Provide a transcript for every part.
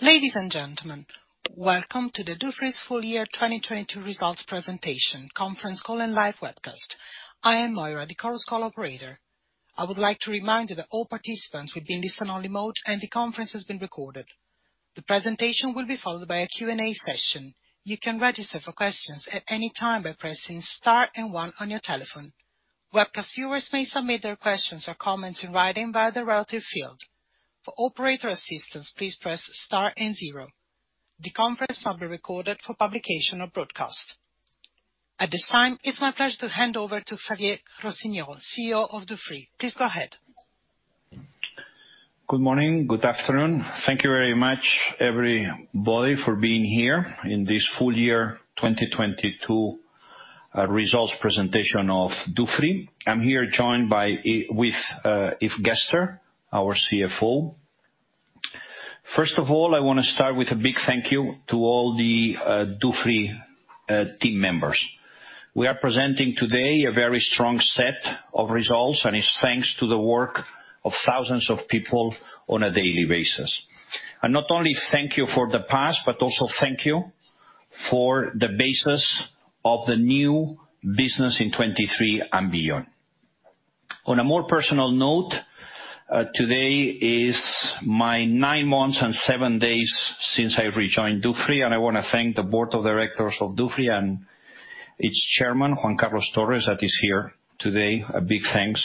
Ladies and gentlemen, welcome to the Dufry's full year 2022 results presentation, conference call, and live webcast. I am Moira, the Chorus Call operator. I would like to remind you that all participants will be in listen-only mode, and the conference has been recorded. The presentation will be followed by a Q&A session. You can register for questions at any time by pressing star one on your telephone. Webcast viewers may submit their questions or comments in writing via the relative field. For operator assistance, please press star zero. The conference will be recorded for publication or broadcast. At this time, it's my pleasure to hand over to Xavier Rossinyol, CEO of Dufry. Please go ahead. Good morning. Good afternoon. Thank you very much, everybody, for being here in this full year 2022 results presentation of Dufry. I'm here joined by with Yves Gerster, our CFO. First of all, I wanna start with a big thank you to all the Dufry team members. We are presenting today a very strong set of results. It's thanks to the work of thousands of people on a daily basis. Not only thank you for the past, but also thank you for the basis of the new business in 2023 and beyond. On a more personal note, today is my nine months and seven days since I rejoined Dufry, and I wanna thank the board of directors of Dufry and its chairman, Juan Carlos Torres, that is here today. A big thanks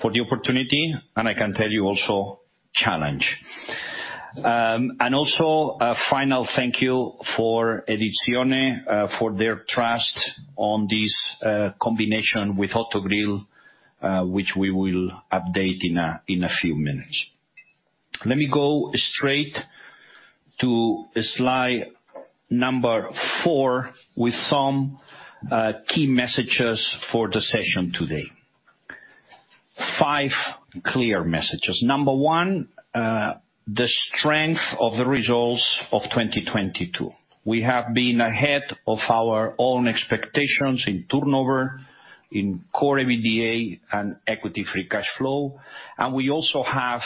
for the opportunity, and I can tell you also, challenge. Also a final thank you for Edizione, for their trust on this combination with Autogrill, which we will update in a few minutes. Let me go straight to Slide number four with some key messages for the session today. Five clear messages. Number one, the strength of the results of 2022. We have been ahead of our own expectations in turnover, in CORE EBITDA and Equity Free Cash Flow. We also have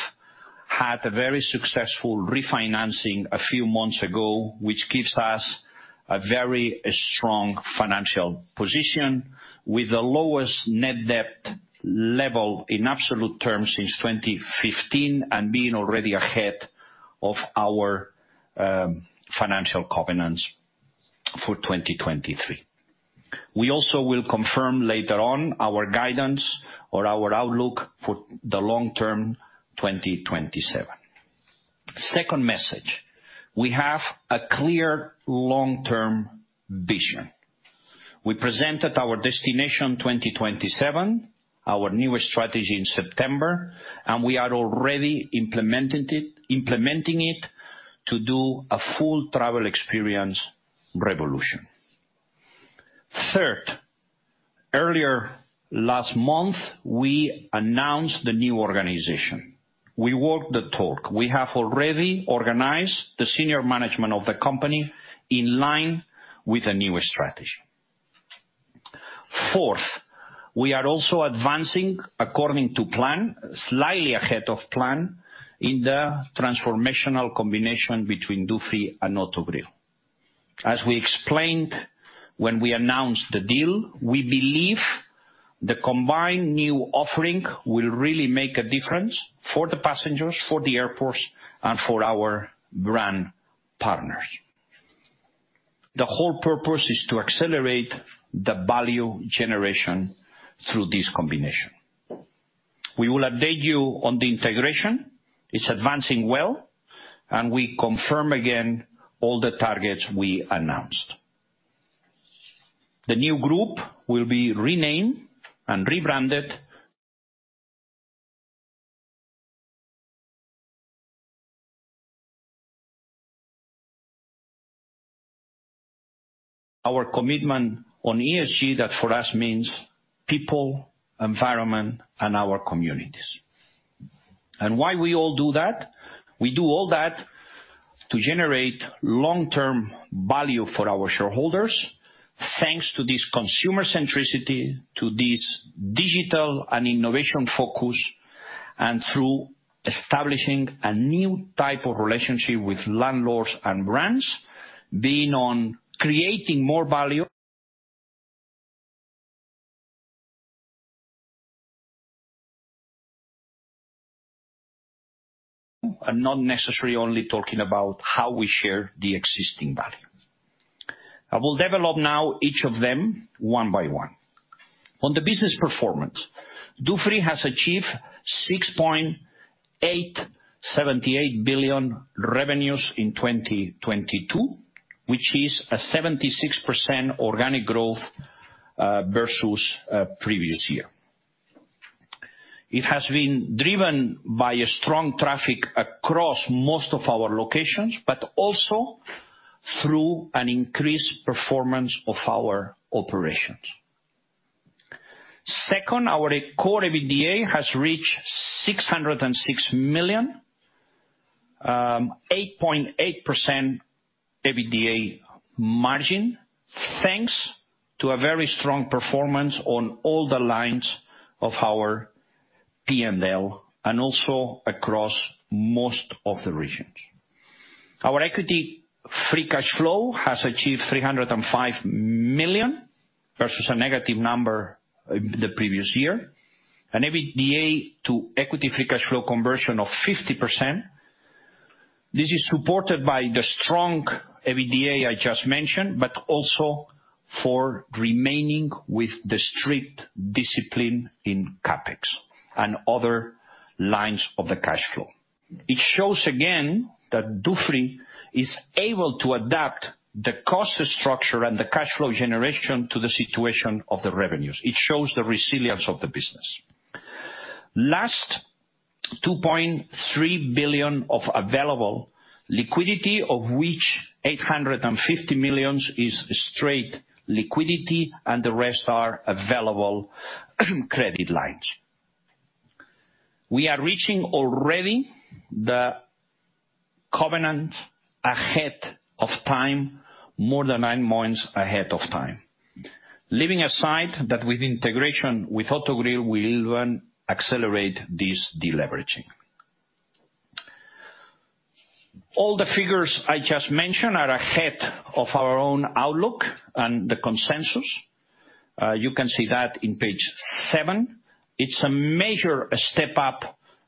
had a very successful refinancing a few months ago, which gives us a very strong financial position with the lowest net debt level in absolute terms since 2015, and being already ahead of our financial covenants for 2023. We also will confirm later on our guidance or our outlook for the long-term, 2027. Second message, we have a clear long-term vision. We presented our Destination 2027, our newest strategy in September. We are already implementing it to do a full travel experience revolution. Third, earlier last month, we announced the new organization. We walk the talk. We have already organized the senior management of the company in line with the new strategy. Fourth, we are also advancing according to plan, slightly ahead of plan in the transformational combination between Dufry and Autogrill. As we explained when we announced the deal, we believe the combined new offering will really make a difference for the passengers, for the airports, and for our brand partners. The whole purpose is to accelerate the value generation through this combination. We will update you on the integration. It's advancing well. We confirm again all the targets we announced. The new group will be renamed and rebranded. Our commitment on ESG, that for us means people, environment, and our communities. Why we all do that, we do all that to generate long-term value for our shareholders, thanks to this consumer centricity, to this digital and innovation focus, and through establishing a new type of relationship with landlords and brands, being on creating more value. Not necessarily only talking about how we share the existing value. I will develop now each of them one by one. On the business performance, Dufry has achieved 6.878 billion revenues in 2022, which is a 76% organic growth versus previous year. It has been driven by a strong traffic across most of our locations, but also through an increased performance of our operations. Second, our CORE EBITDA has reached 606 million, 8.8% EBITDA margin, thanks to a very strong performance on all the lines of our P&L, and also across most of the regions. Our Equity Free Cash Flow has achieved 305 million versus a negative number in the previous year. An EBITDA to Equity Free Cash Flow conversion of 50%. This is supported by the strong EBITDA I just mentioned, but also for remaining with the strict discipline in CapEx and other lines of the cash flow. It shows again that Dufry is able to adapt the cost structure and the cash flow generation to the situation of the revenues. It shows the resilience of the business. Last, 2.3 billion of available liquidity, of which 850 million is straight liquidity, and the rest are available credit lines. We are reaching already the covenant ahead of time, more than nine months ahead of time. Leaving aside that with integration with Autogrill, we will then accelerate this deleveraging. All the figures I just mentioned are ahead of our own outlook and the consensus. You can see that in Page seven. It's a major step up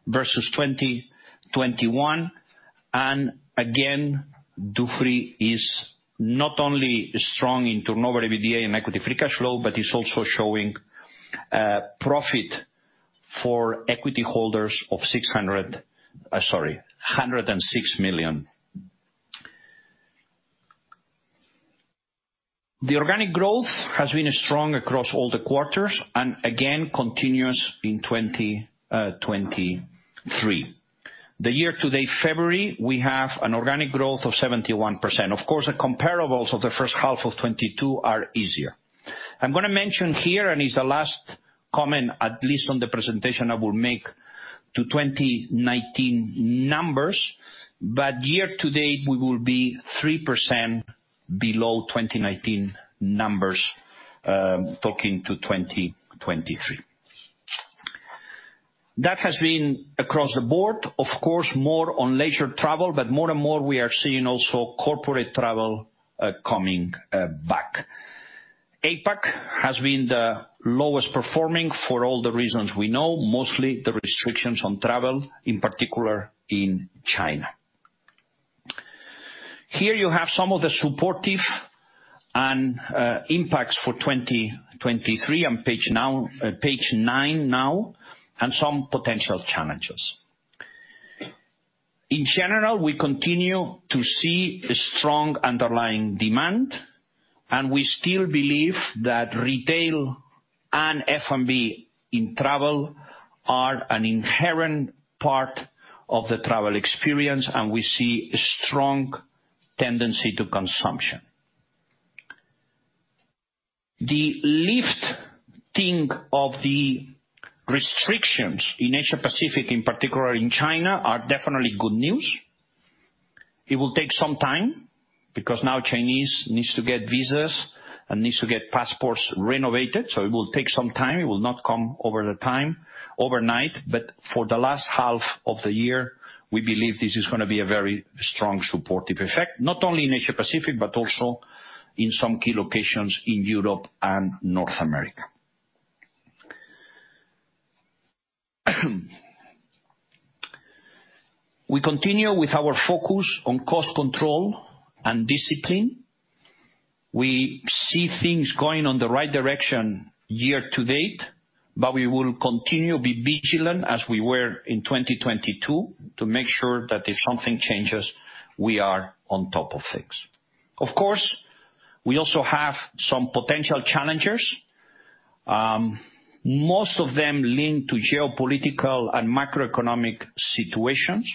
versus 2021. Again, Dufry is not only strong in turnover, EBITDA, and Equity Free Cash Flow, but it's also showing profit for equity holders of 106 million. The organic growth has been strong across all the quarters and again continues in 2023. The year to date February, we have an organic growth of 71%. Of course, the comparables of the first half of 2022 are easier. I'm gonna mention here, and it's the last comment, at least on the presentation, I will make to 2019 numbers, but year to date, we will be 3% below 2019 numbers, talking to 2023. That has been across the board, of course, more on leisure travel, but more and more we are seeing also corporate travel coming back. APAC has been the lowest performing for all the reasons we know, mostly the restrictions on travel, in particular in China. Here you have some of the supportive and impacts for 2023 on page now, Page nine now, and some potential challenges. In general, we continue to see a strong underlying demand, and we still believe that retail and F&B in travel are an inherent part of the travel experience, and we see a strong tendency to consumption. The lifting of the restrictions in Asia-Pacific, in particular in China, are definitely good news. It will take some time because now Chinese needs to get visas and needs to get passports renovated, so it will take some time. It will not come over the time, overnight. For the last half of the year, we believe this is gonna be a very strong supportive effect, not only in Asia-Pacific, but also in some key locations in Europe and North America. We continue with our focus on cost control and discipline. We see things going on the right direction year-to-date, but we will continue be vigilant as we were in 2022 to make sure that if something changes, we are on top of things. Of course, we also have some potential challenges. Most of them linked to geopolitical and macroeconomic situations.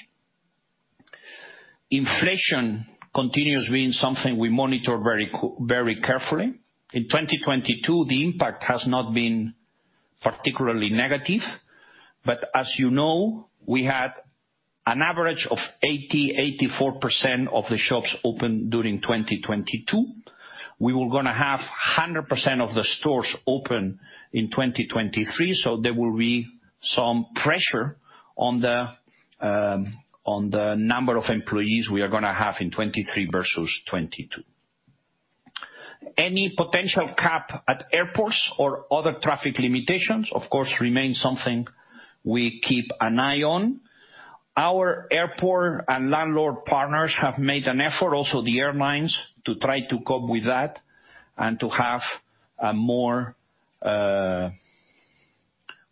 Inflation continues being something we monitor very carefully. In 2022, the impact has not been particularly negative, but as you know, we had an average of 80%-84% of the shops open during 2022. We were gonna have 100% of the stores open in 2023, so there will be some pressure on the number of employees we are gonna have in 2023 versus 2022. Any potential cap at airports or other traffic limitations, of course, remains something we keep an eye on. Our airport and landlord partners have made an effort, also the airlines, to try to cope with that and to have a more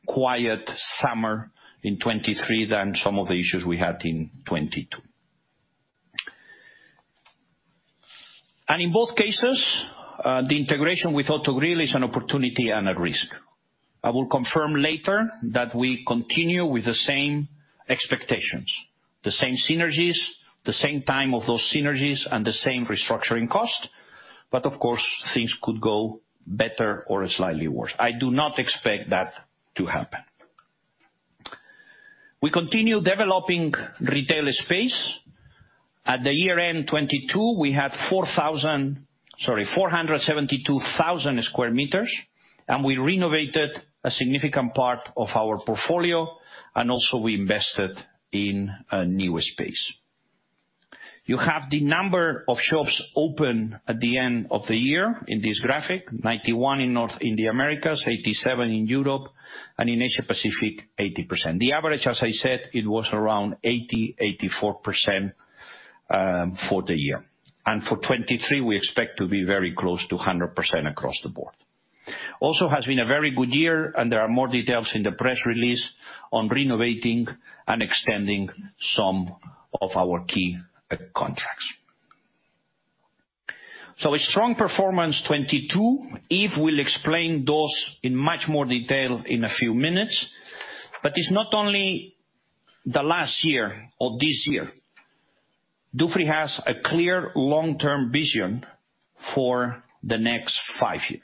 quiet summer in 2023 than some of the issues we had in 2022. In both cases, the integration with Autogrill is an opportunity and a risk. I will confirm later that we continue with the same expectations, the same synergies, the same time of those synergies, and the same restructuring cost. Of course, things could go better or slightly worse. I do not expect that to happen. We continue developing retail space. At the year end 2022, we had 472,000 square meters, and we renovated a significant part of our portfolio, and also we invested in new space. You have the number of shops open at the end of the year in this graphic, 91 in the Americas, 87 in Europe, and in Asia Pacific, 80%. The average, as I said, it was around 80%-84% for the year. For 2023, we expect to be very close to 100% across the board. Has also been a very good year, and there are more details in the press release on renovating and extending some of our key contracts. A strong performance 2022. Yves Gerster will explain those in much more detail in a few minutes. It's not only the last year or this year. Dufry has a clear long-term vision for the next five years.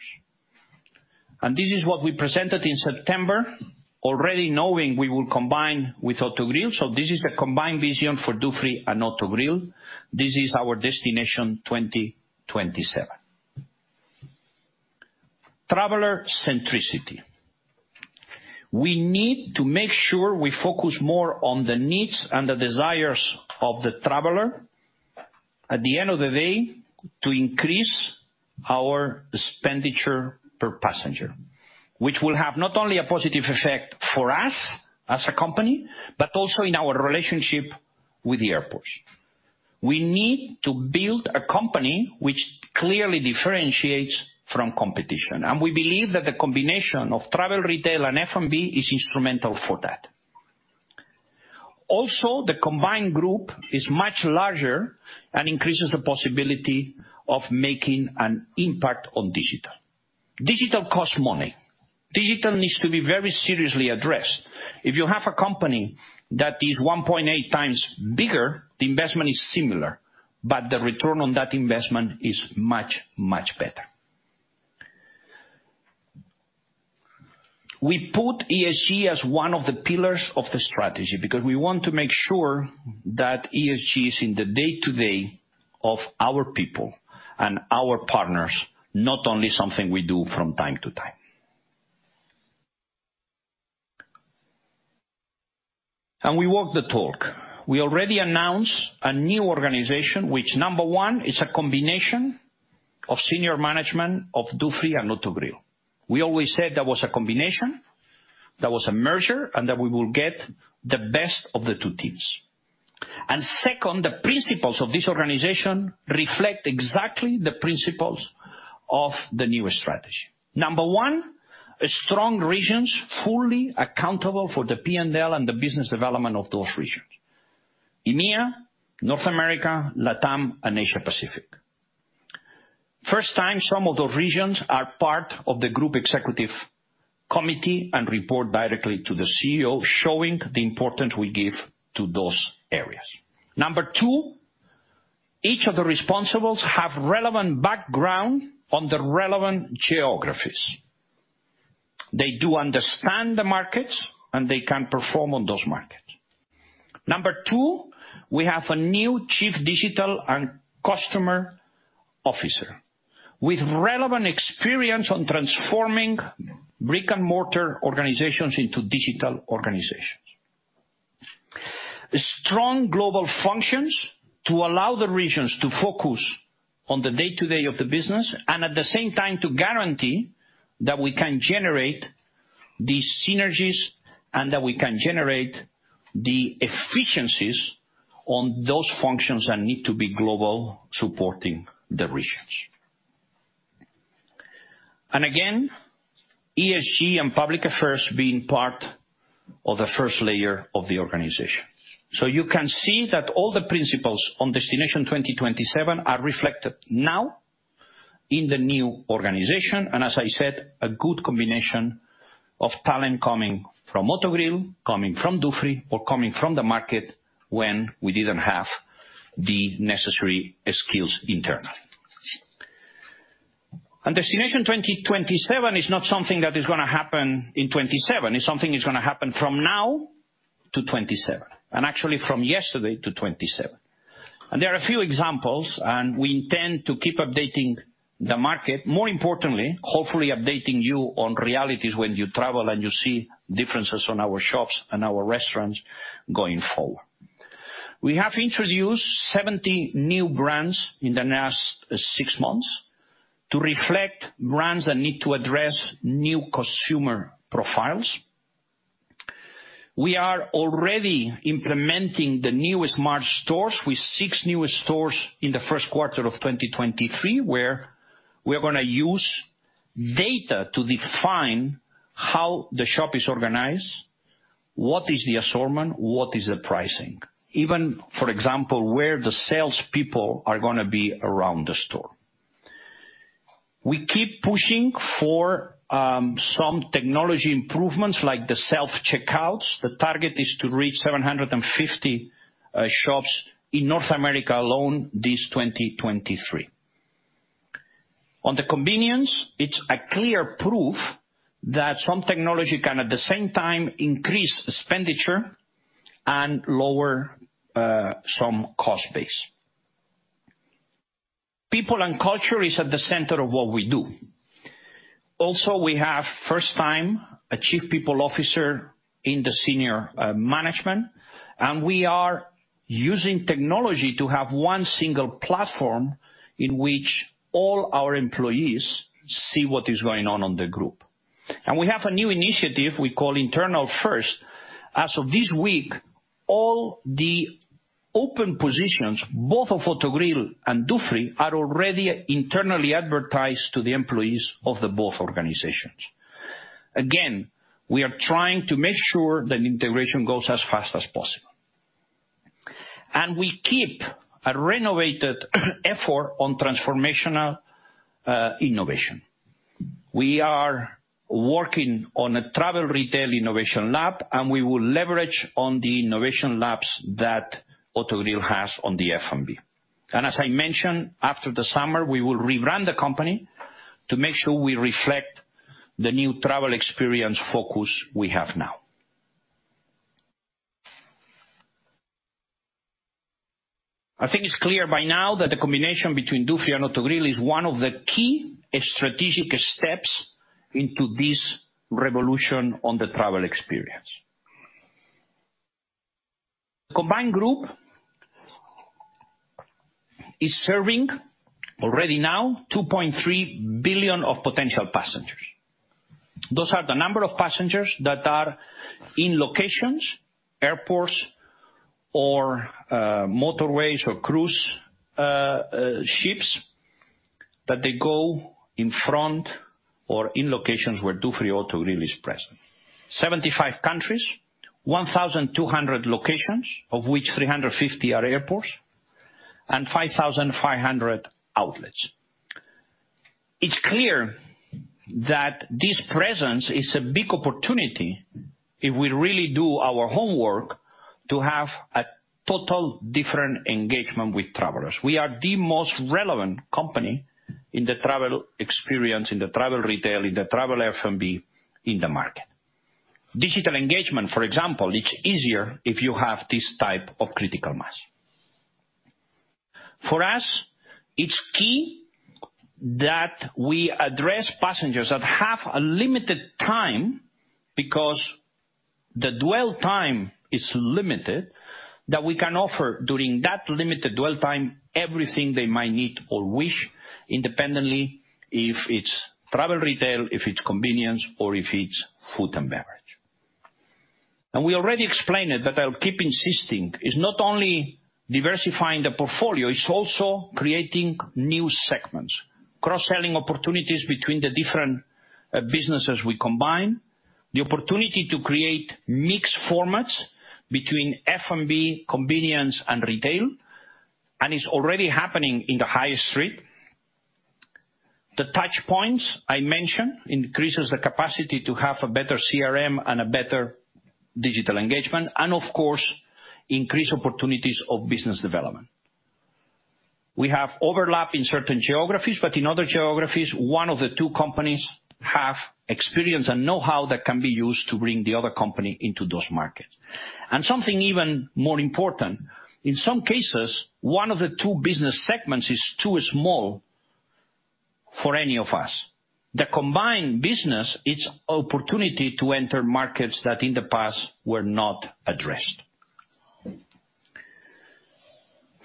This is what we presented in September, already knowing we will combine with Autogrill. This is a combined vision for Dufry and Autogrill. This is our Destination 2027. Traveler centricity. We need to make sure we focus more on the needs and the desires of the traveler, at the end of the day, to increase our expenditure per passenger, which will have not only a positive effect for us as a company, but also in our relationship with the airports. We need to build a company which clearly differentiates from competition. We believe that the combination of travel, retail, and F&B is instrumental for that. Also, the combined group is much larger and increases the possibility of making an impact on digital. Digital costs money. Digital needs to be very seriously addressed. If you have a company that is 1.8x bigger, the investment is similar. The return on that investment is much, much better. We put ESG as one of the pillars of the strategy because we want to make sure that ESG is in the day-to-day of our people and our partners, not only something we do from time to time. We walk the talk. We already announced a new organization, which number one, is a combination of senior management of Dufry and Autogrill. We always said there was a combination, there was a merger, and that we will get the best of the two teams. Second, the principles of this organization reflect exactly the principles of the new strategy. Number one, strong regions, fully accountable for the P&L and the business development of those regions. EMEA, North America, LATAM, and Asia Pacific. First time some of those regions are part of the Group Executive Committee and report directly to the CEO, showing the importance we give to those areas. Number two, each of the responsibles have relevant background on the relevant geographies. They do understand the markets, and they can perform on those markets. Number two, we have a new Chief Digital and Customer Officer with relevant experience on transforming brick-and-mortar organizations into digital organizations. Strong global functions to allow the regions to focus on the day-to-day of the business, and at the same time to guarantee that we can generate these synergies and that we can generate the efficiencies on those functions that need to be global, supporting the regions. Again, ESG and public affairs being part of the first layer of the organization. You can see that all the principles on Destination 2027 are reflected now in the new organization, and as I said, a good combination of talent coming from Autogrill, coming from Dufry, or coming from the market when we didn't have the necessary skills internally. Destination 2027 is not something that is gonna happen in 2027. It's something that's gonna happen from now to 2027, and actually from yesterday to 2027. There are a few examples, and we intend to keep updating the market, more importantly, hopefully updating you on realities when you travel and you see differences on our shops and our restaurants going forward. We have introduced 70 new brands in the last six months to reflect brands that need to address new consumer profiles. We are already implementing the new smart stores with six new stores in the first quarter of 2023, where we are gonna use data to define how the shop is organized, what is the assortment, what is the pricing. Even, for example, where the salespeople are gonna be around the store. We keep pushing for some technology improvements like the self-checkout. The target is to reach 750 shops in North America alone this 2023. On the convenience, it's a clear proof that some technology can, at the same time, increase expenditure and lower some cost base. People and culture is at the center of what we do. Also, we have, first time, a chief people officer in the senior management, we are using technology to have one single platform in which all our employees see what is going on in the group. We have a new initiative we call Internal First. As of this week, all the open positions, both of Autogrill and Dufry, are already internally advertised to the employees of the both organizations. Again, we are trying to make sure that integration goes as fast as possible. We keep a renovated effort on transformational innovation. We are working on a Travel Retail Innovation Lab, and we will leverage on the innovation labs that Autogrill has on the F&B. As I mentioned, after the summer, we will rebrand the company to make sure we reflect the new travel experience focus we have now. I think it's clear by now that the combination between Dufry and Autogrill is one of the key strategic steps into this revolution on the travel experience. Combined group is serving already now 2.3 billion of potential passengers. Those are the number of passengers that are in locations, airports or motorways or cruise ships that they go in front or in locations where Dufry or Autogrill is present. 75 countries, 1,200 locations, of which 350 are airports, and 5,500 outlets. It's clear that this presence is a big opportunity if we really do our homework to have a total different engagement with travelers. We are the most relevant company in the travel experience, in the travel retail, in the travel F&B in the market. Digital engagement, for example, it's easier if you have this type of critical mass. For us, it's key that we address passengers that have a limited time, because the dwell time is limited, that we can offer during that limited dwell time, everything they might need or wish, independently if it's travel retail, if it's convenience, or if it's food and beverage. We already explained it, but I'll keep insisting. It's not only diversifying the portfolio, it's also creating new segments. Cross-selling opportunities between the different businesses we combine, the opportunity to create mixed formats between F&B, convenience, and retail, it's already happening in the high street. The touch points I mentioned increases the capacity to have a better CRM and a better digital engagement and, of course, increase opportunities of business development. We have overlap in certain geographies, but in other geographies, one of the two companies have experience and know-how that can be used to bring the other company into those markets. Something even more important, in some cases, one of the two business segments is too small for any of us. The combined business, it's opportunity to enter markets that in the past were not addressed.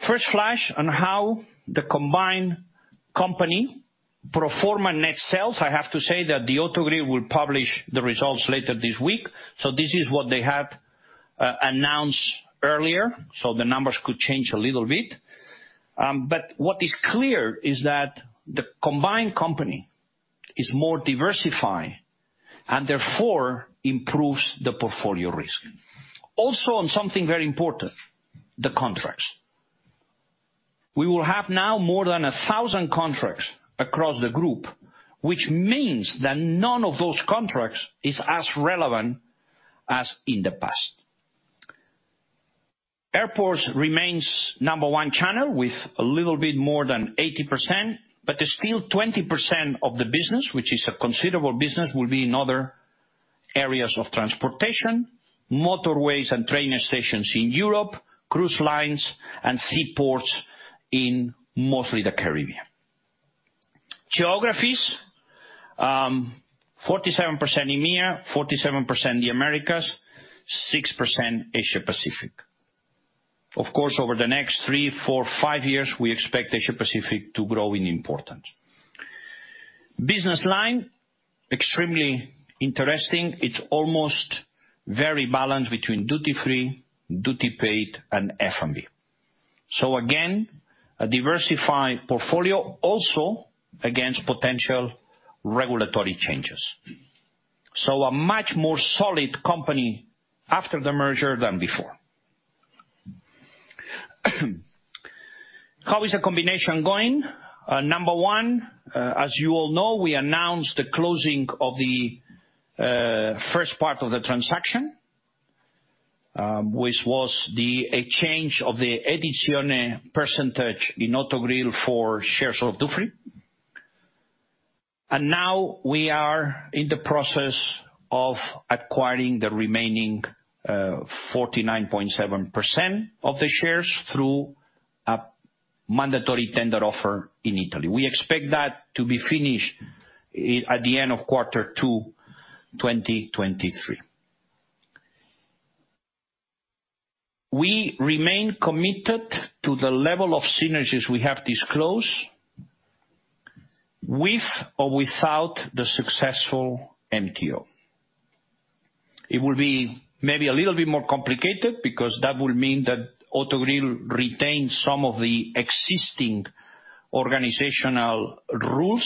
First flash on how the combined company pro forma net sales, I have to say that the Autogrill will publish the results later this week. This is what they had announced earlier, so the numbers could change a little bit. What is clear is that the combined company is more diversified and therefore improves the portfolio risk. Also on something very important, the contracts. We will have now more than 1,000 contracts across the group, which means that none of those contracts is as relevant as in the past. Airports remains number one channel with a little bit more than 80%, but there's still 20% of the business, which is a considerable business, will be in other areas of transportation, motorways and training stations in Europe, cruise lines and seaports in mostly the Caribbean. Geographies, 47% EMEA, 47% the Americas, 6% Asia-Pacific. Of course, over the next three, four, five years, we expect Asia-Pacific to grow in importance. Business line, extremely interesting. It's almost very balanced between duty-free, duty paid, and F&B. Again, a diversified portfolio also against potential regulatory changes. A much more solid company after the merger than before. How is the combination going? Number one, as you all know, we announced the closing of the first part of the transaction, which was the exchange of the Edizione percentage in Autogrill for shares of Dufry. Now we are in the process of acquiring the remaining 49.7% of the shares through a mandatory tender offer in Italy. We expect that to be finished at the end of Q2 2023. We remain committed to the level of synergies we have disclosed with or without the successful MTO. It will be maybe a little bit more complicated because that will mean that Autogrill retains some of the existing organizational rules,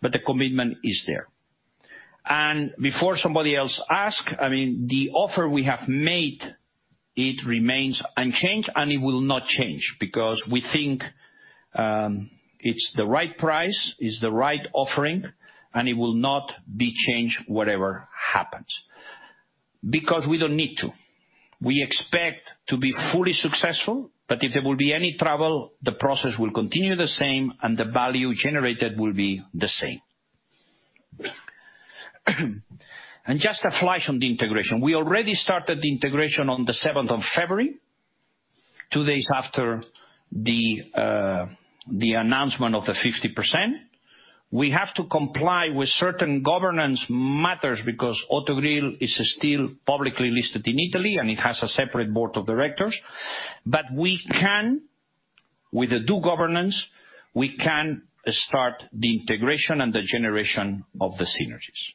but the commitment is there. Before somebody else ask, I mean, the offer we have made, it remains unchanged. It will not change because we think it's the right price, it's the right offering. It will not be changed whatever happens. Because we don't need to. We expect to be fully successful, but if there will be any trouble, the process will continue the same and the value generated will be the same. Just a flash on the integration. We already started the integration on the 7th of February, two days after the announcement of the 50%. We have to comply with certain governance matters because Autogrill is still publicly listed in Italy. It has a separate board of directors. But we can, with the due governance, we can start the integration and the generation of the synergies.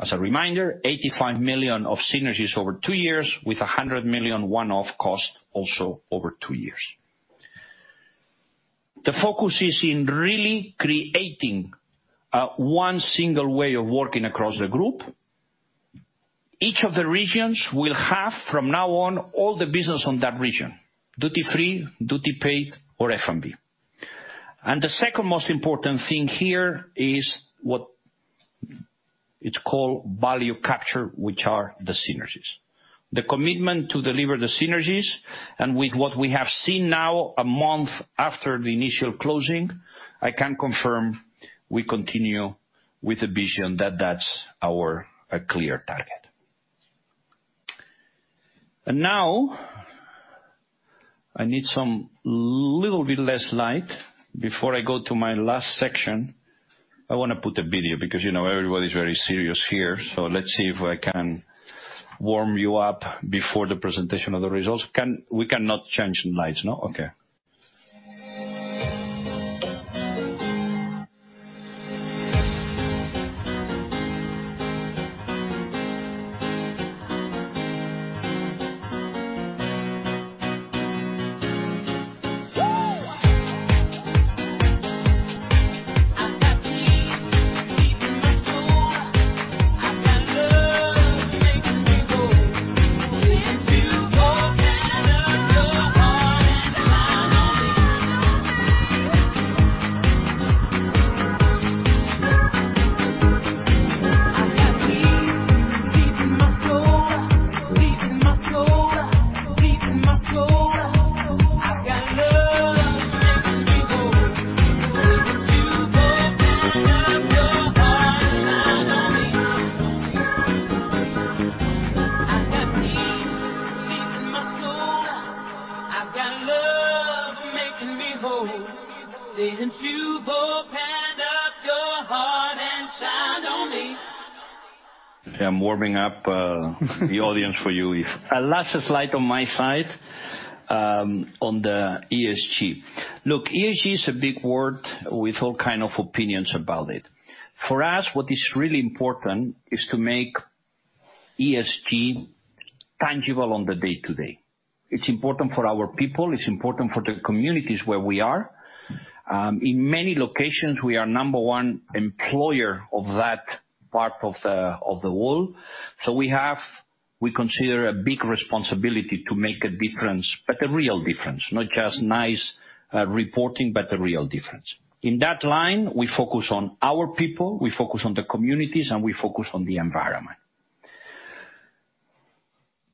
As a reminder, 85 million of synergies over two years with 100 million one-off cost also over two years. The focus is in really creating one single way of working across the group. Each of the regions will have from now on all the business on that region, duty-free, duty-paid or F&B. The second most important thing here is what it's called value capture, which are the synergies. The commitment to deliver the synergies and with what we have seen now one month after the initial closing, I can confirm we continue with the vision that that's our clear target. Now I need some little bit less light. Before I go to my last section, I wanna put a video because, you know, everybody's very serious here. Let's see if I can warm you up before the presentation of the results. We cannot change lights, no? Okay. I've got peace deep in my soul. I've got love making me whole. Since you opened up your heart and shined on me. I've got peace deep in my soul. Deep in my soul. Deep in my soul. I've got love making me whole. Since you opened up your heart and shined on me. I've got peace deep in my soul. I've got love making me whole. Since you opened up your heart and shined on me. I'm warming up the audience for you, Yves. Our last slide on my side, on the ESG. Look, ESG is a big word with all kind of opinions about it. For us, what is really important is to make ESG tangible on the day-to-day. It's important for our people, it's important for the communities where we are. In many locations, we are number one employer of that part of the, of the world. We have, we consider a big responsibility to make a difference, but a real difference. Not just nice reporting, but a real difference. In that line, we focus on our people, we focus on the communities, and we focus on the environment.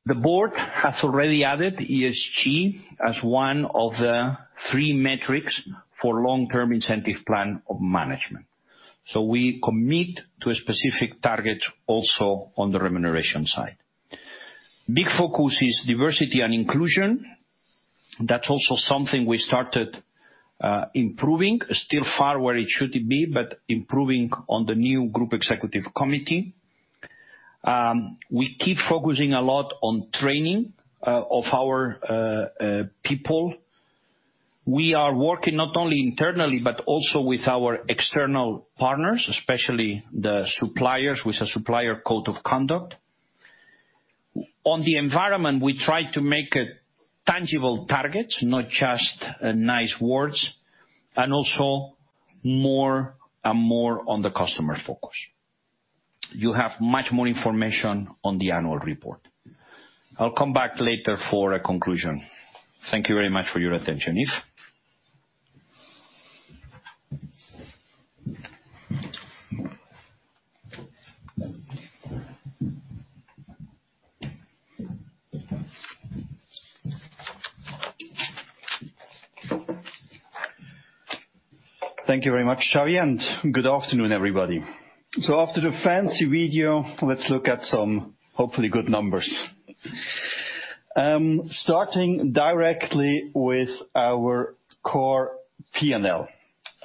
The board has already added ESG as one of the three metrics for long-term incentive plan of management. We commit to a specific target also on the remuneration side. Big focus is diversity and inclusion. That's also something we started, improving. Still far where it should be, but improving on the new Group Executive Committee. We keep focusing a lot on training of our people. We are working not only internally, but also with our external partners, especially the suppliers, with a Supplier Code of Conduct. On the environment, we try to make it tangible targets, not just nice words, and also more and more on the customer focus. You have much more information on the annual report. I'll come back later for a conclusion. Thank you very much for your attention. Yves? Thank you very much, Xavier, good afternoon, everybody. After the fancy video, let's look at some hopefully good numbers. Starting directly with our core P&L.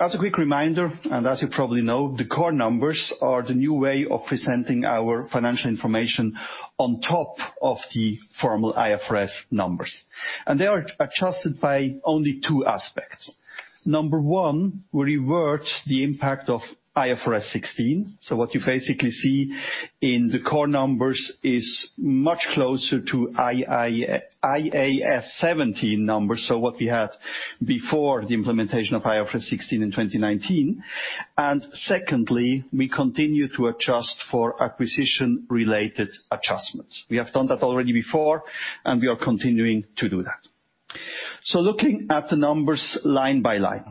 As a quick reminder, and as you probably know, the core numbers are the new way of presenting our financial information on top of the formal IFRS numbers. They are adjusted by only two aspects. Number one, we revert the impact of IFRS 16. What you basically see in the core numbers is much closer to IAS 17 numbers, so what we had before the implementation of IFRS 16 in 2019. Secondly, we continue to adjust for acquisition-related adjustments. We have done that already before, and we are continuing to do that. Looking at the numbers line by line,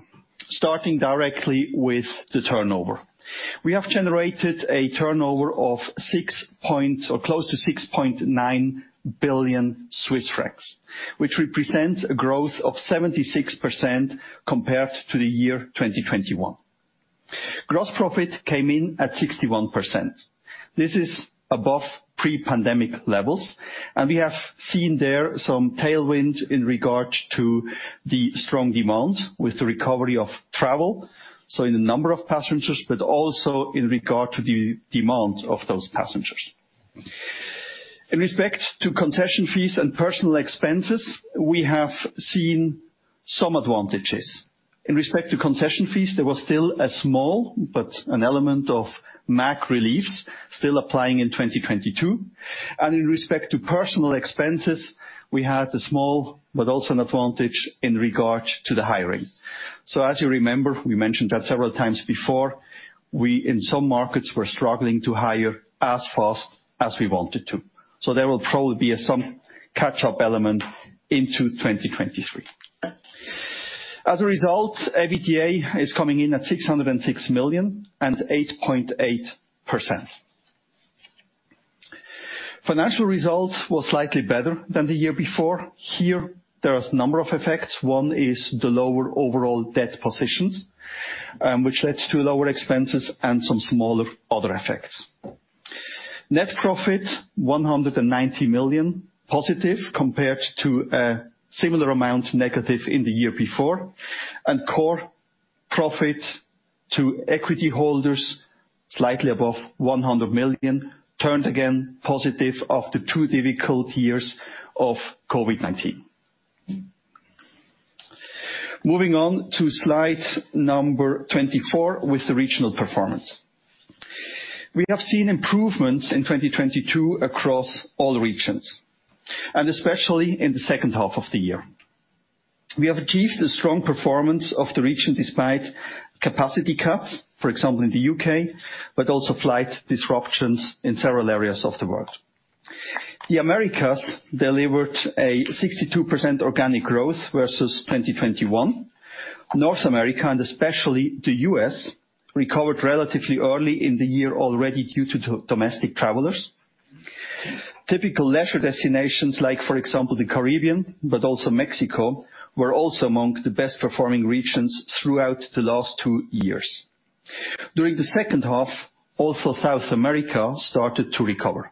starting directly with the turnover. We have generated a turnover of 6.9 billion Swiss francs, which represents a growth of 76% compared to the year 2021. Gross profit came in at 61%. This is above pre-pandemic levels, and we have seen there some tailwind in regard to the strong demand with the recovery of travel, so in the number of passengers, but also in regard to the demand of those passengers. In respect to concession fees and personal expenses, we have seen some advantages. In respect to concession fees, there was still a small, but an element of MAC relief still applying in 2022. In respect to personal expenses, we had a small, but also an advantage in regard to the hiring. As you remember, we mentioned that several times before, we, in some markets, were struggling to hire as fast as we wanted to. There will probably be some catch-up element into 2023. As a result, EBITDA is coming in at 606 million and 8.8%. Financial results were slightly better than the year before. Here, there are a number of effects. One is the lower overall debt positions, which led to lower expenses and some smaller other effects. Net profit, 190 million positive compared to a similar amount negative in the year before. Core profit to equity holders, slightly above 100 million, turned again positive after two difficult years of COVID-19. Moving on to Slide number 24 with the regional performance. We have seen improvements in 2022 across all regions, and especially in the second half of the year. We have achieved a strong performance of the region despite capacity cuts, for example, in the U.K., but also flight disruptions in several areas of the world. The Americas delivered a 62% organic growth versus 2021. North America, and especially the U.S., recovered relatively early in the year already due to domestic travelers. Typical leisure destinations like, for example, the Caribbean, but also Mexico, were also among the best-performing regions throughout the last two years. During the second half, also South America started to recover.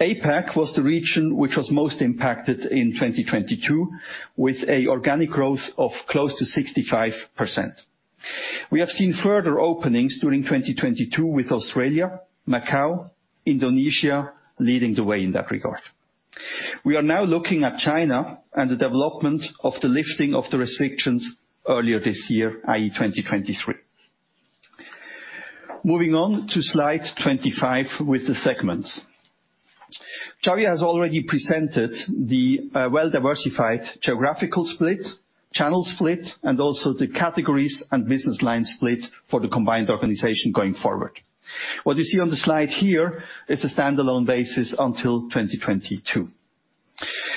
APAC was the region which was most impacted in 2022 with a organic growth of close to 65%. We have seen further openings during 2022 with Australia, Macau, Indonesia leading the way in that regard. We are now looking at China and the development of the lifting of the restrictions earlier this year, i.e., 2023. Moving on to Slide 25 with the segments. Xavier has already presented the well-diversified geographical split, channel split, and also the categories and business line split for the combined organization going forward. What you see on the slide here is a standalone basis until 2022.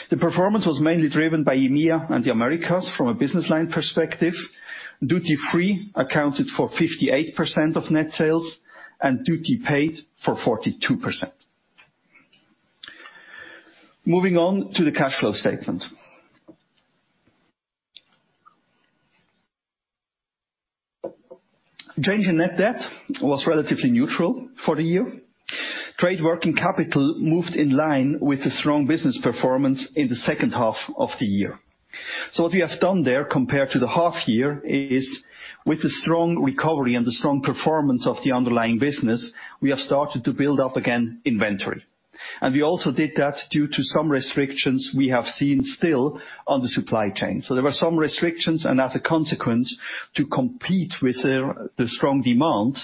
The performance was mainly driven by EMEA and the Americas from a business line perspective. Duty-free accounted for 58% of net sales and duty paid for 42%. Moving on to the cash flow statement. Change in net debt was relatively neutral for the year. Trade working capital moved in line with the strong business performance in the second half of the year. What we have done there compared to the half year is with the strong recovery and the strong performance of the underlying business, we have started to build up again inventory. We also did that due to some restrictions we have seen still on the supply chain. There were some restrictions, and as a consequence, to compete with the strong demand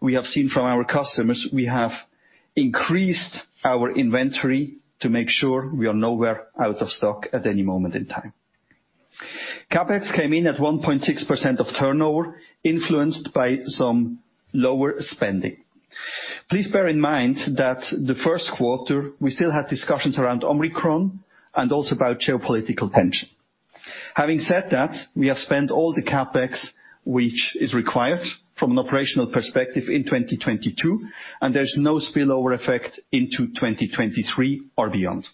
we have seen from our customers, we have increased our inventory to make sure we are nowhere out of stock at any moment in time. CapEx came in at 1.6% of turnover, influenced by some lower spending. Please bear in mind that the first quarter, we still had discussions around Omicron and also about geopolitical tension. Having said that, we have spent all the CapEx which is required from an operational perspective in 2022, and there's no spillover effect into 2023 or beyond.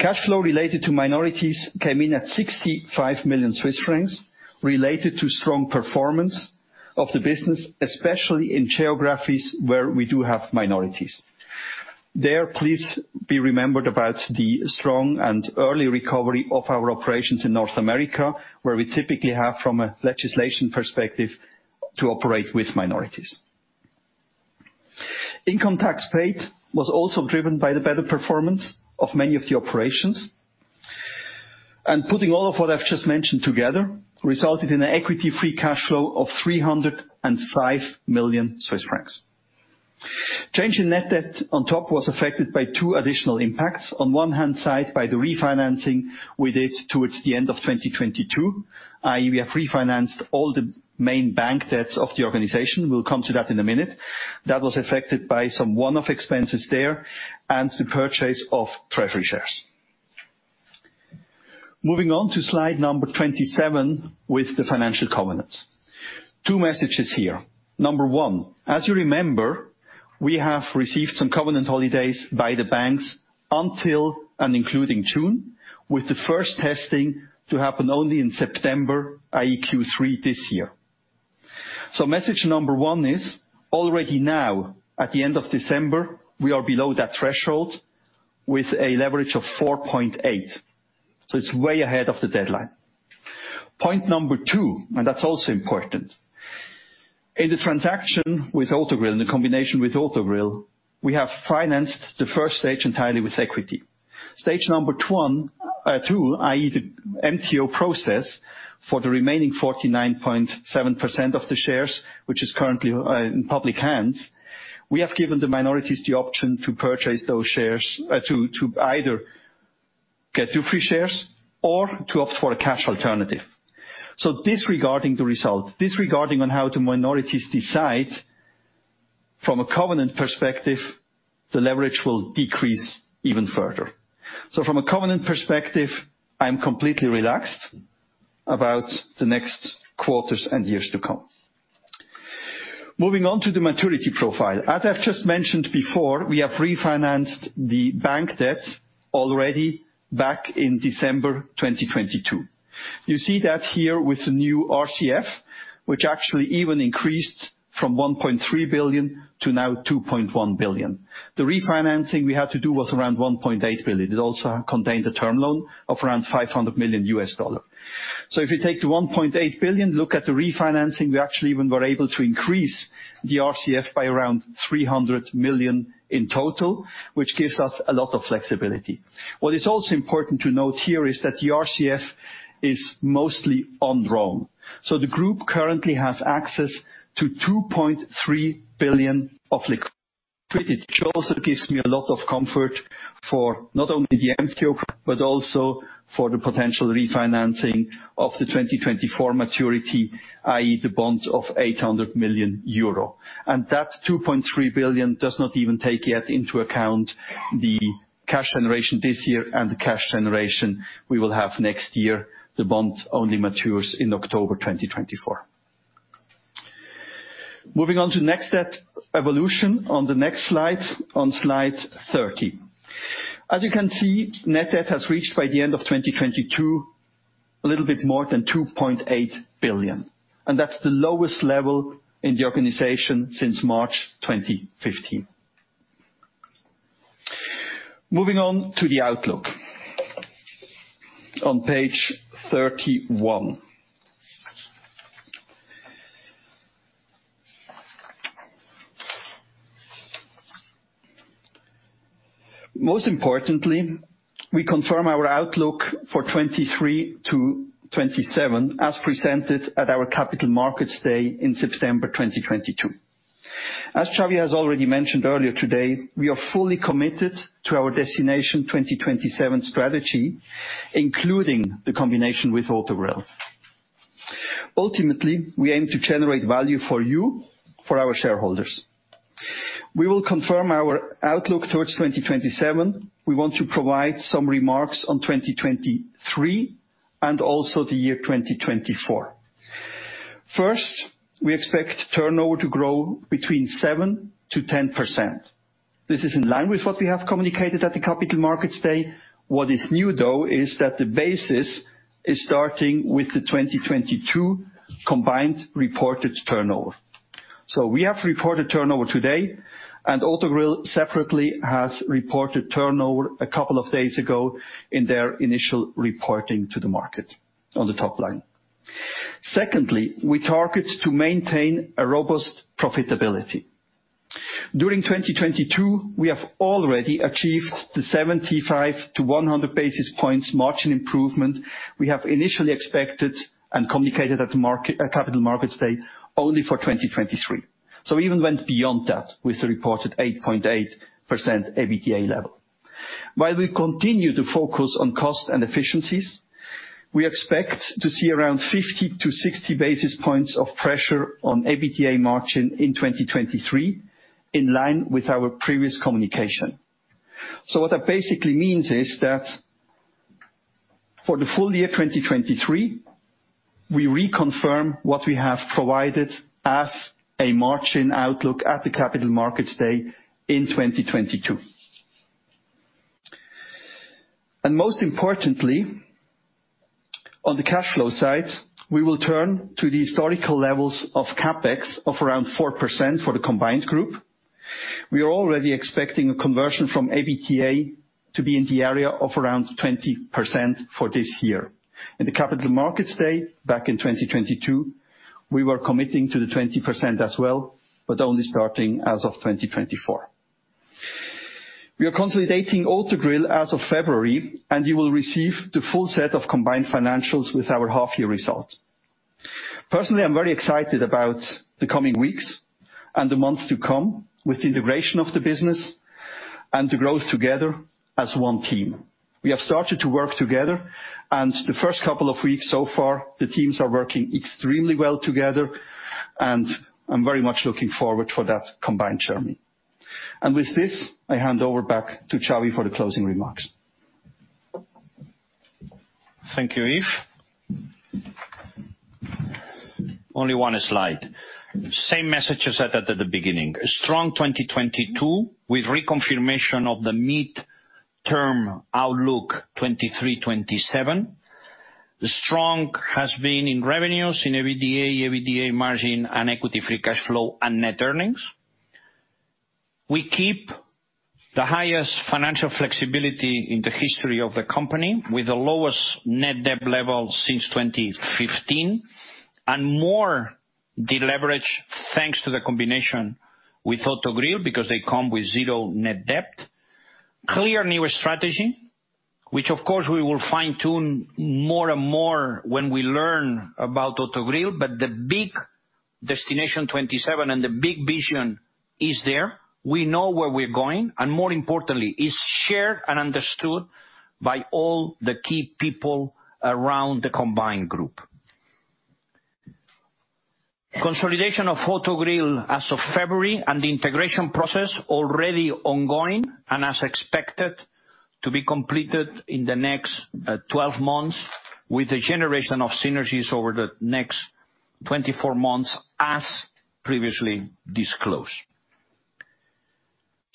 Cash flow related to minorities came in at 65 million Swiss francs related to strong performance of the business, especially in geographies where we do have minorities. There, please be remembered about the strong and early recovery of our operations in North America, where we typically have, from a legislation perspective, to operate with minorities. Income tax paid was also driven by the better performance of many of the operations. Putting all of what I've just mentioned together resulted in an Equity Free Cash Flow of 305 million Swiss francs. Change in net debt on top was affected by two additional impacts. On one hand side, by the refinancing we did towards the end of 2022, i.e. We have refinanced all the main bank debts of the organization. We'll come to that in a minute. That was affected by some one-off expenses there and the purchase of treasury shares. Moving on to Slide number 27 with the financial covenants. Two messages here. One, as you remember, we have received some covenant holidays by the banks until and including June, with the first testing to happen only in September, i.e. Q3 this year. Message one is, already now at the end of December, we are below that threshold with a leverage of 4.8. It's way ahead of the deadline. Point two, that's also important. In the transaction with Autogrill, in the combination with Autogrill, we have financed the first stage entirely with equity. Stage number one, two, i.e. the MTO process for the remaining 49.7% of the shares, which is currently in public hands, we have given the minorities the option to purchase those shares to either get two free shares or to opt for a cash alternative. Disregarding the result, disregarding on how the minorities decide from a covenant perspective, the leverage will decrease even further. From a covenant perspective, I'm completely relaxed about the next quarters and years to come. Moving on to the maturity profile. As I've just mentioned before, we have refinanced the bank debt already back in December 2022. You see that here with the new RCF, which actually even increased from 1.3 billion to now 2.1 billion. The refinancing we had to do was around 1.8 billion. It also contained a term loan of around $500 million. If you take the 1.8 billion, look at the refinancing, we actually even were able to increase the RCF by around 300 million in total, which gives us a lot of flexibility. What is also important to note here is that the RCF is mostly undrawn. The group currently has access to 2.3 billion of liquidity, which also gives me a lot of comfort for not only the MTO, but also for the potential refinancing of the 2024 maturity, i.e. the bond of 800 million euro. That 2.3 billion does not even take yet into account the cash generation this year and the cash generation we will have next year. The bond only matures in October 2024. Moving on to next debt evolution on the next slide, on Slide 30. As you can see, net debt has reached, by the end of 2022, a little bit more than 2.8 billion, and that's the lowest level in the organization since March 2015. Moving on to the outlook on Page 31. Most importantly, we confirm our outlook for 2023-2027 as presented at our Capital Markets Day in September 2022. As Xavi has already mentioned earlier today, we are fully committed to our Destination 2027 strategy, including the combination with Autogrill. Ultimately, we aim to generate value for you, for our shareholders. We will confirm our outlook towards 2027. We want to provide some remarks on 2023 and also the year 2024. First, we expect turnover to grow between 7%-10%. This is in line with what we have communicated at the Capital Markets Day. What is new though is that the basis is starting with the 2022 combined reported turnover. We have reported turnover today, and Autogrill separately has reported turnover a couple of days ago in their initial reporting to the market on the top line. Secondly, we target to maintain a robust profitability. During 2022, we have already achieved the 75-100 basis points margin improvement we have initially expected and communicated at Capital Markets Day, only for 2023. We even went beyond that with the reported 8.8% EBITDA level. While we continue to focus on cost and efficiencies. We expect to see around 50 to 60 basis points of pressure on EBITDA margin in 2023, in line with our previous communication. What that basically means is that for the full year 2023, we reconfirm what we have provided as a margin outlook at the Capital Markets Day in 2022. Most importantly, on the cash flow side, we will turn to the historical levels of CapEx of around 4% for the combined group. We are already expecting a conversion from EBITDA to be in the area of around 20% for this year. In the Capital Markets Day back in 2022, we were committing to the 20% as well, but only starting as of 2024. We are consolidating Autogrill as of February. You will receive the full set of combined financials with our half year results. Personally, I'm very excited about the coming weeks and the months to come with the integration of the business and to grow together as one team. We have started to work together. The first couple of weeks so far, the teams are working extremely well together, and I'm very much looking forward for that combined journey. With this, I hand over back to Xavi for the closing remarks. Thank you, Yves. Only one slide. Same message I said at the beginning. A strong 2022 with reconfirmation of the mid-term outlook 2023-2027. Strong has been in revenues, in EBITDA margin, and Equity Free Cash Flow and net earnings. We keep the highest financial flexibility in the history of the company with the lowest net debt level since 2015, and more deleverage thanks to the combination with Autogrill, because they come with zero net debt. Clear new strategy, which of course, we will fine-tune more and more when we learn about Autogrill, but the big Destination 2027 and the big vision is there. We know where we're going, and more importantly, it's shared and understood by all the key people around the combined group. Consolidation of Autogrill as of February and the integration process already ongoing and as expected to be completed in the next, 12 months with the generation of synergies over the next 24 months as previously disclosed.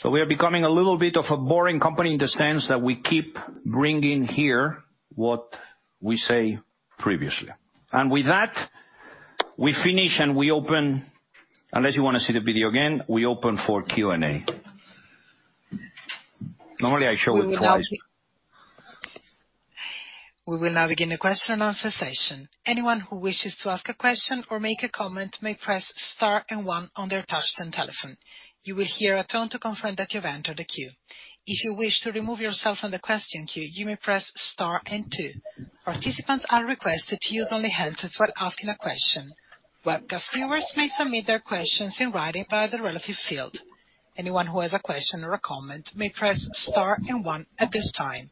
We are becoming a little bit of a boring company in the sense that we keep bringing here what we say previously. With that, we finish and unless you wanna see the video again, we open for Q&A. Normally, I show it twice. We will now begin the question and answer session. Anyone who wishes to ask a question or make a comment may press Star and One on their touch-tone telephone. You will hear a tone to confirm that you've entered a queue. If you wish to remove yourself from the question queue, you may press star and two. Participants are requested to use only handsets while asking a question. Webcast viewers may submit their questions in writing via the relative field. Anyone who has a question or a comment may press star and one at this time.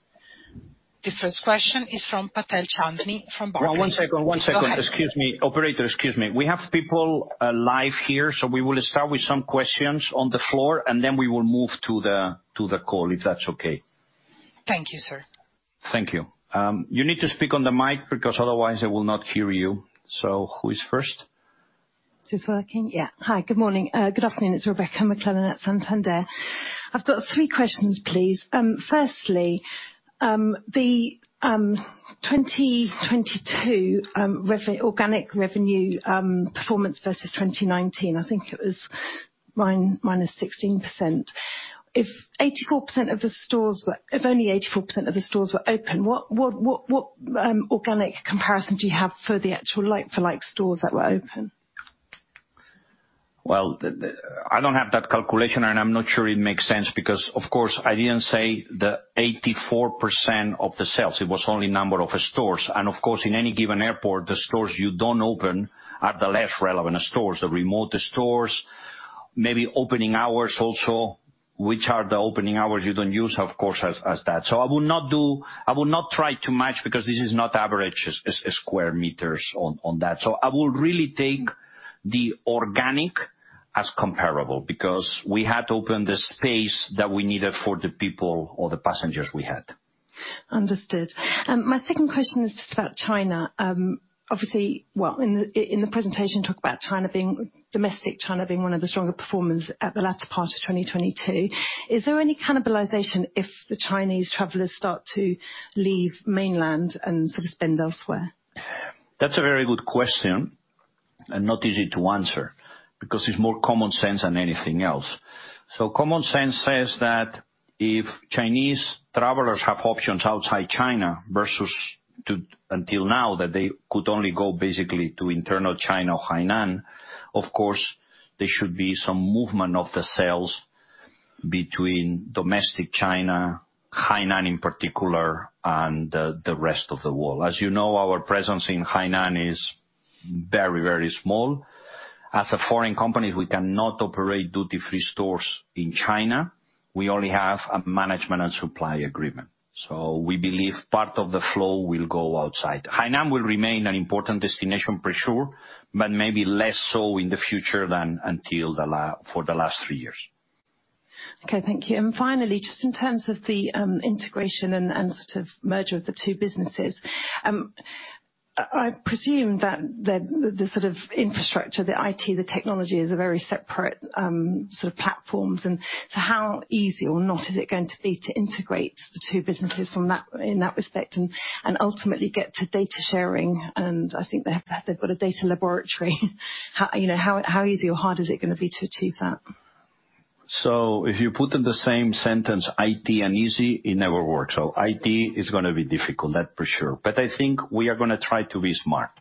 The first question is from Chandni Patel from Barclays. Well, one second. One second. Please go ahead. Excuse me. Operator, excuse me. We have people live here, so we will start with some questions on the floor, and then we will move to the call, if that's okay. Thank you, sir. Thank you. You need to speak on the mic because otherwise I will not hear you. Who is first? Is this working? Yeah. Hi, good morning. Good afternoon, it's Rebecca McClellan at Santander. I've got three questions, please. Firstly, the 2022 organic revenue performance versus 2019, I think it was -16%. If only 84% of the stores were open, what organic comparison do you have for the actual like-for-like stores that were open? Well, the, I don't have that calculation, and I'm not sure it makes sense because, of course, I didn't say the 84% of the sales. It was only number of stores. Of course, in any given airport, the stores you don't open are the less relevant stores. The remote stores, maybe opening hours also, which are the opening hours you don't use, of course, as that. I would not try to match because this is not average square meters on that. I would really take the organic as comparable because we had to open the space that we needed for the people or the passengers we had. Understood. My second question is just about China. Well, in the presentation, you talk about Domestic China being one of the stronger performers at the latter part of 2022. Is there any cannibalization if the Chinese travelers start to leave Mainland and sort of spend elsewhere? That's a very good question and not easy to answer because it's more common sense than anything else. Common sense says that if Chinese travelers have options outside China versus to, until now, that they could only go basically to internal China or Hainan, of course, there should be some movement of the sales between domestic China, Hainan in particular, and the rest of the world. As you know, our presence in Hainan is very, very small. As a foreign company, we cannot operate duty-free stores in China. We only have a management and supply agreement. We believe part of the flow will go outside. Hainan will remain an important destination, for sure, but maybe less so in the future than until for the last three years. Okay, thank you. Finally, just in terms of the integration and sort of merger of the two businesses, I presume that the sort of infrastructure, the IT, the technology is a very separate sort of platforms. How easy or not is it going to be to integrate the two businesses from that in that respect and ultimately get to data sharing, and I think they've got a data laboratory. How, you know, how easy or hard is it going to be to achieve that? If you put in the same sentence IT and easy, it never works. IT is gonna be difficult. That for sure. I think we are gonna try to be smart.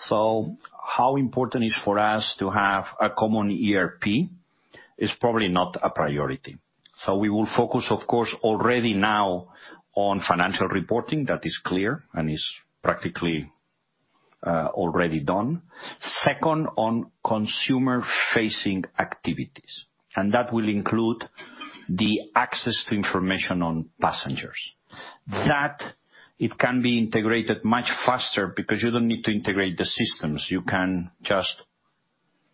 How important is for us to have a common ERP is probably not a priority. We will focus, of course, already now on financial reporting. That is clear and is practically already done. Second, on consumer-facing activities, that will include the access to information on passengers. It can be integrated much faster because you don't need to integrate the systems. You can just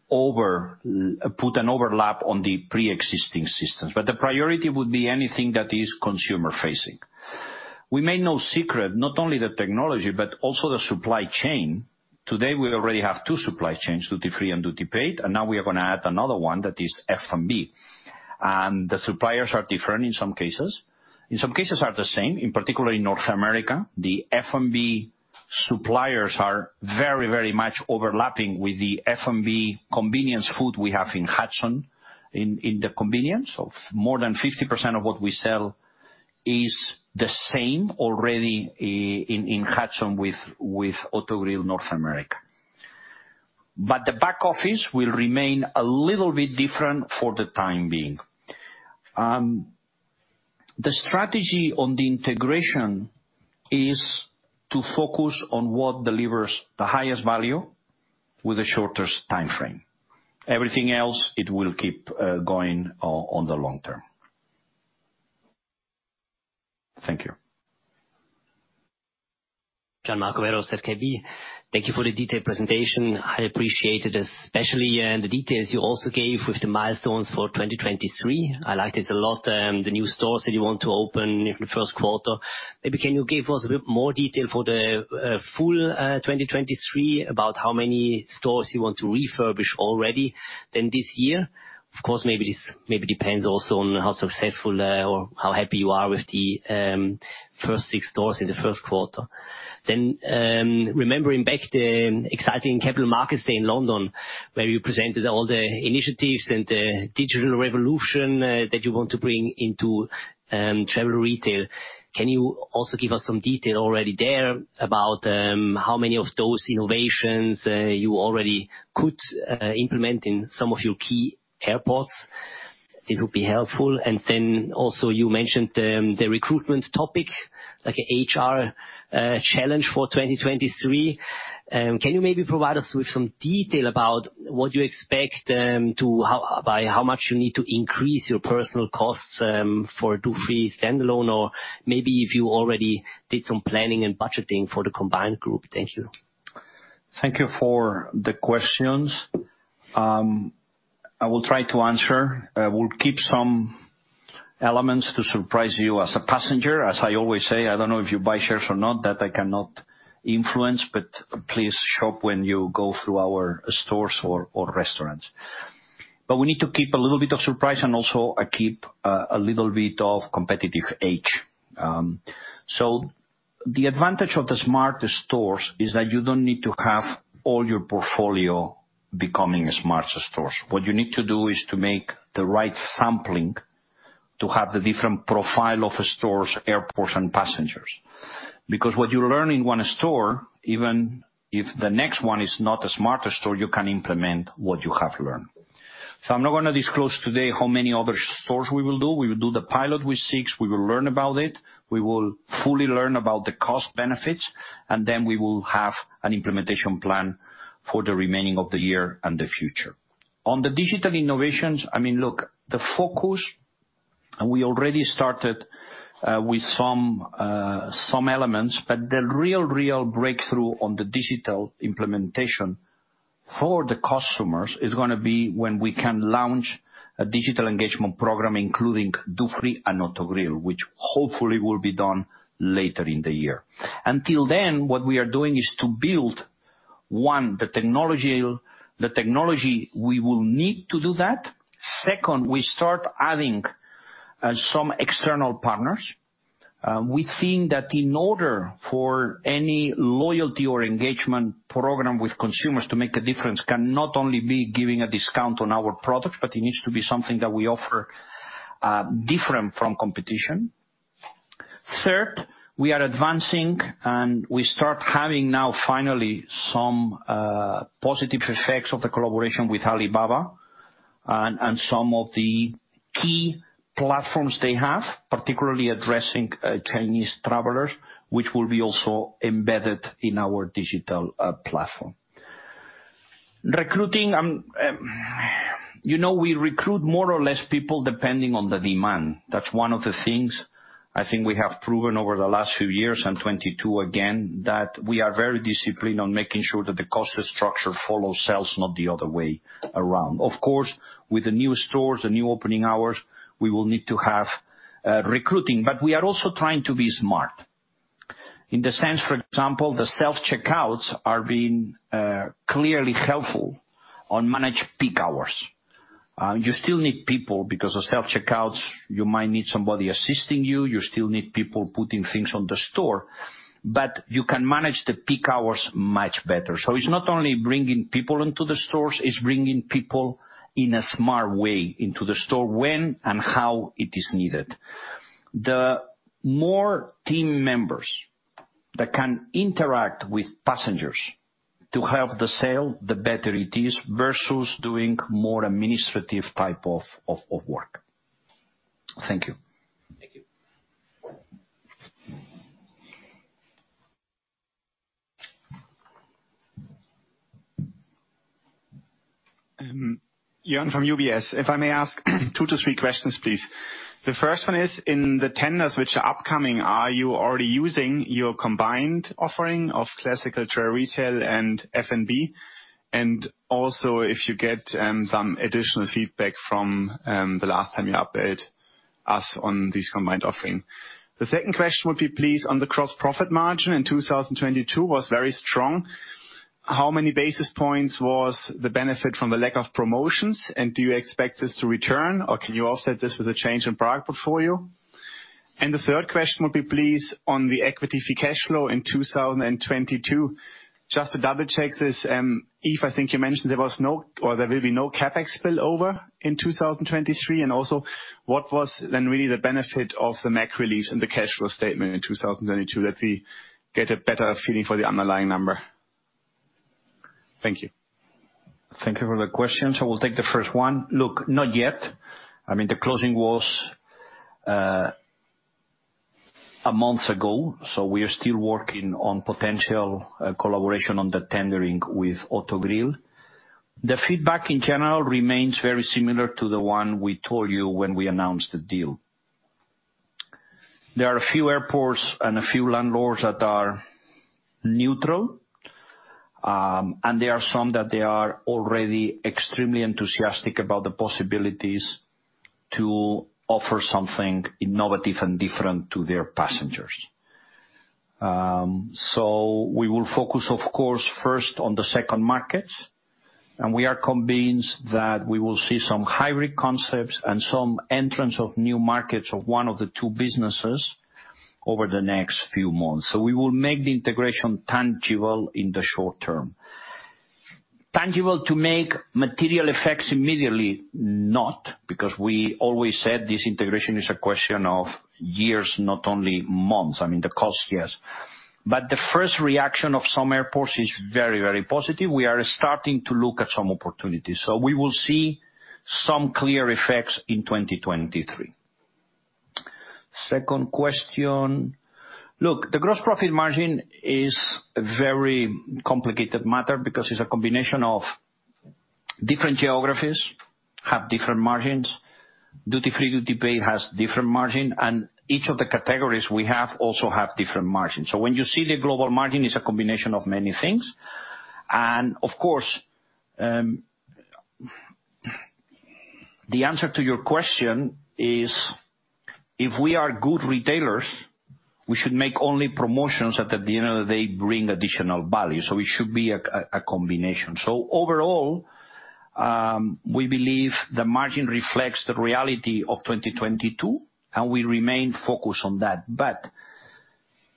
put an overlap on the preexisting systems. The priority would be anything that is consumer-facing. We made no secret, not only the technology, but also the supply chain. Today, we already have two supply chains, duty-free and duty-paid, now we are gonna add another one that is F&B. The suppliers are different in some cases. In some cases are the same, in particular in North America. The F&B suppliers are very much overlapping with the F&B convenience food we have in Hudson in the convenience of more than 50% of what we sell is the same already in Hudson with Autogrill North America. The back office will remain a little bit different for the time being. The strategy on the integration is to focus on what delivers the highest value with the shortest timeframe. Everything else, it will keep going on the long term. Thank you. Thank you for the detailed presentation. I appreciate it, especially, the details you also gave with the milestones for 2023. I like this a lot, the new stores that you want to open in the first quarter. Maybe can you give us a bit more detail for the full 2023 about how many stores you want to refurbish already than this year? Of course, this maybe depends also on how successful or how happy you are with the first six stores in the first quarter. Remembering back the exciting Capital Markets Day in London, where you presented all the initiatives and the digital revolution that you want to bring into travel retail. Can you also give us some detail already there about how many of those innovations you already could implement in some of your key airports? It would be helpful. Also you mentioned the recruitment topic, like HR challenge for 2023. Can you maybe provide us with some detail about what you expect, how by how much you need to increase your personal costs for duty-free standalone or maybe if you already did some planning and budgeting for the combined group? Thank you. Thank you for the questions. I will try to answer. I will keep some elements to surprise you as a passenger. As I always say, I don't know if you buy shares or not, that I cannot influence, but please shop when you go through our stores or restaurants. We need to keep a little bit of surprise and also keep a little bit of competitive edge. The advantage of the smart stores is that you don't need to have all your portfolio becoming smart stores. What you need to do is to make the right sampling to have the different profile of stores, airports and passengers. What you learn in one store, even if the next one is not a smarter store, you can implement what you have learned. I'm not gonna disclose today how many other stores we will do. We will do the pilot with six. We will learn about it. We will fully learn about the cost benefits, and then we will have an implementation plan for the remaining of the year and the future. On the digital innovations, I mean, look, the focus, and we already started with some elements, but the real breakthrough on the digital implementation for the customers is gonna be when we can launch a digital engagement program, including duty-free and Autogrill, which hopefully will be done later in the year. Until then, what we are doing is to build, one, the technology we will need to do that. Second, we start adding some external partners. We think that in order for any loyalty or engagement program with consumers to make a difference can not only be giving a discount on our products, but it needs to be something that we offer different from competition. Third, we are advancing, and we start having now finally some positive effects of the collaboration with Alibaba and some of the key platforms they have, particularly addressing Chinese travelers, which will be also embedded in our digital platform. Recruiting, you know, we recruit more or less people depending on the demand. That's one of the things I think we have proven over the last few years, and 2022 again, that we are very disciplined on making sure that the cost structure follows sales, not the other way around. Of course, with the new stores, the new opening hours, we will need to have recruiting. We are also trying to be smart in the sense, for example, the self-checkout are being clearly helpful on manage peak hours. You still need people because of self-checkout, you might need somebody assisting you still need people putting things on the store, you can manage the peak hours much better. It's not only bringing people into the stores, it's bringing people in a smart way into the store when and how it is needed. The more team members that can interact with passengers to help the sale, the better it is, versus doing more administrative type of work. Thank you. Thank you. Joern from UBS, if I may ask two to three questions, please. The first one is, in the tenders which are upcoming, are you already using your combined offering of classical travel retail and F&B? If you get some additional feedback from the last time you updated us on this combined offering? The second question would be please, on the gross profit margin in 2022 was very strong. How many basis points was the benefit from the lack of promotions, and do you expect this to return, or can you offset this with a change in product portfolio? The third question would be please, on the Equity Free Cash Flow in 2022, just to double check this, Yves, I think you mentioned there was no or there will be no CapEx spillover in 2023, and also what was then really the benefit of the MAC relief in the cash flow statement in 2022 that we get a better feeling for the underlying number. Thank you. Thank you for the question. We'll take the first one. Look, not yet. I mean, the closing was a month ago, we are still working on potential collaboration on the tendering with Autogrill. The feedback in general remains very similar to the one we told you when we announced the deal. There are a few airports and a few landlords that are neutral, there are some that they are already extremely enthusiastic about the possibilities to offer something innovative and different to their passengers. We will focus, of course, first on the second markets, we are convinced that we will see some hybrid concepts and some entrance of new markets of one of the two businesses over the next few months. We will make the integration tangible in the short-term. Tangible to make material effects immediately, not, because we always said this integration is a question of years, not only months. I mean, the cost, yes. The first reaction of some airports is very, very positive. We are starting to look at some opportunities. We will see some clear effects in 2023. Second question. Look, the gross profit margin is a very complicated matter because it's a combination of different geographies have different margins. Duty-free, duty-paid has different margin, each of the categories we have also have different margins. When you see the global margin, it's a combination of many things. Of course, the answer to your question is, if we are good retailers, we should make only promotions that at the end of the day, bring additional value. It should be a combination. Overall, we believe the margin reflects the reality of 2022, and we remain focused on that.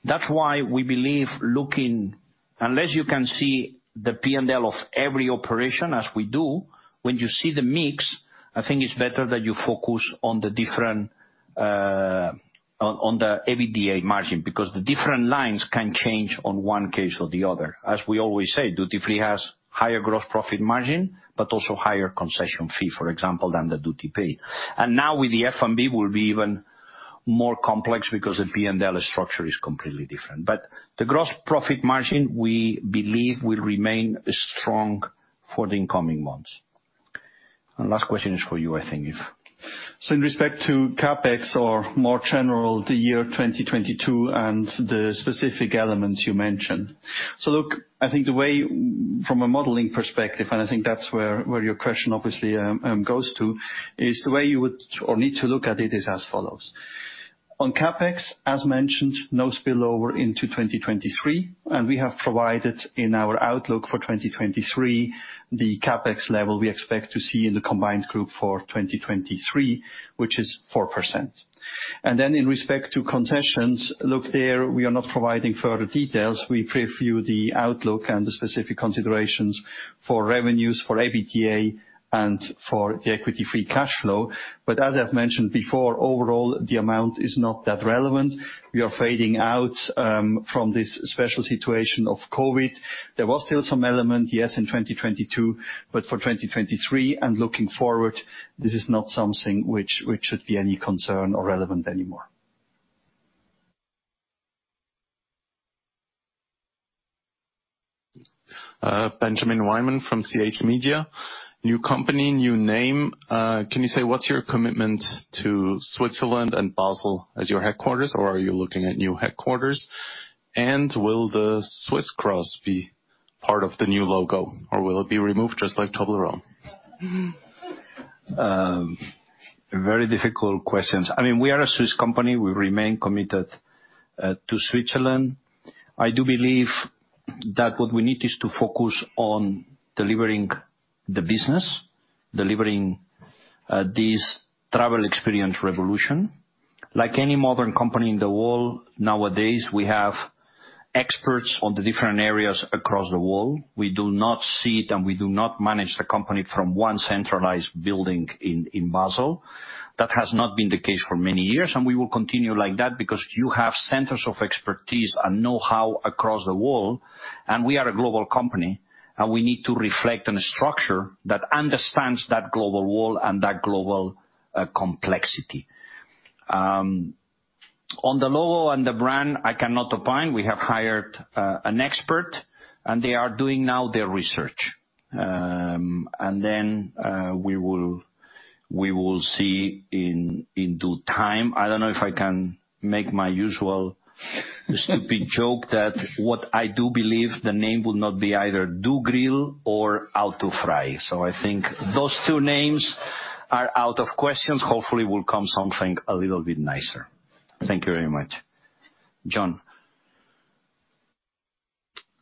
That's why we believe looking. Unless you can see the P&L of every operation as we do, when you see the mix, I think it's better that you focus on the different, on the EBITDA margin, because the different lines can change on one case or the other. As we always say, duty-free has higher gross profit margin, but also higher concession fee, for example, than the duty-paid. Now with the F&B will be even more complex because the P&L structure is completely different. The gross profit margin, we believe, will remain strong for the incoming months. Last question is for you, I think, Yves. In respect to CapEx or more general, the year 2022 and the specific elements you mentioned. Look, I think the way from a modeling perspective, and I think that's where your question obviously, goes to, is the way you would or need to look at it is as follows. On CapEx, as mentioned, no spillover into 2023, and we have provided in our outlook for 2023, the CapEx level we expect to see in the combined group for 2023, which is 4%. In respect to concessions, look, there, we are not providing further details. We preview the outlook and the specific considerations for revenues for EBITDA and for the Equity Free Cash Flow. As I've mentioned before, overall, the amount is not that relevant. We are fading out from this special situation of COVID. There was still some element, yes, in 2022, but for 2023 and looking forward, this is not something which should be any concern or relevant anymore. Benjamin Weymann from CH Media. New company, new name. Can you say what's your commitment to Switzerland and Basel as your headquarters? Or are you looking at new headquarters? Will the Swiss cross be part of the new logo or will it be removed just like Toblerone? Very difficult questions. I mean, we are a Swiss company. We remain committed to Switzerland. I do believe that what we need is to focus on delivering the business, delivering this travel experience revolution. Like any modern company in the world nowadays, we have experts on the different areas across the world. We do not sit, and we do not manage the company from one centralized building in Basel. That has not been the case for many years, and we will continue like that because you have centers of expertise and know-how across the world, and we are a global company, and we need to reflect on a structure that understands that global world and that global complexity. On the logo and the brand, I cannot opine. We have hired an expert, and they are doing now their research. We will see in due time. I don't know if I can make my usual stupid joke that what I do believe the name will not be either Do Grill or Auto Fry. I think those two names are out of questions. Hopefully will come something a little bit nicer. Thank you very much. John.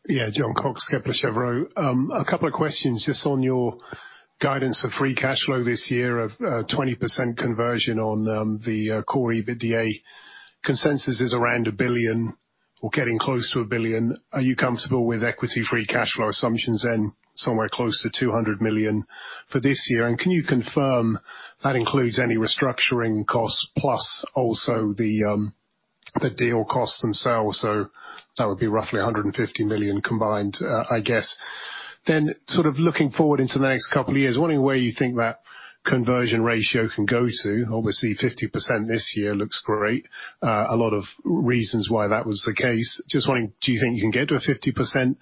Yeah, Jon Cox, Kepler Cheuvreux. A couple of questions just on your guidance for free cash flow this year of 20% conversion on the CORE EBITDA. Consensus is around 1 billion or getting close to 1 billion. Are you comfortable with Equity Free Cash Flow assumptions then somewhere close to 200 million for this year? Can you confirm that includes any restructuring costs plus also the deal costs themselves? That would be roughly 150 million combined, I guess. Looking forward into the next couple of years, wondering where you think that conversion ratio can go to. Obviously 50% this year looks great. A lot of reasons why that was the case. Just wondering, do you think you can get to a 50%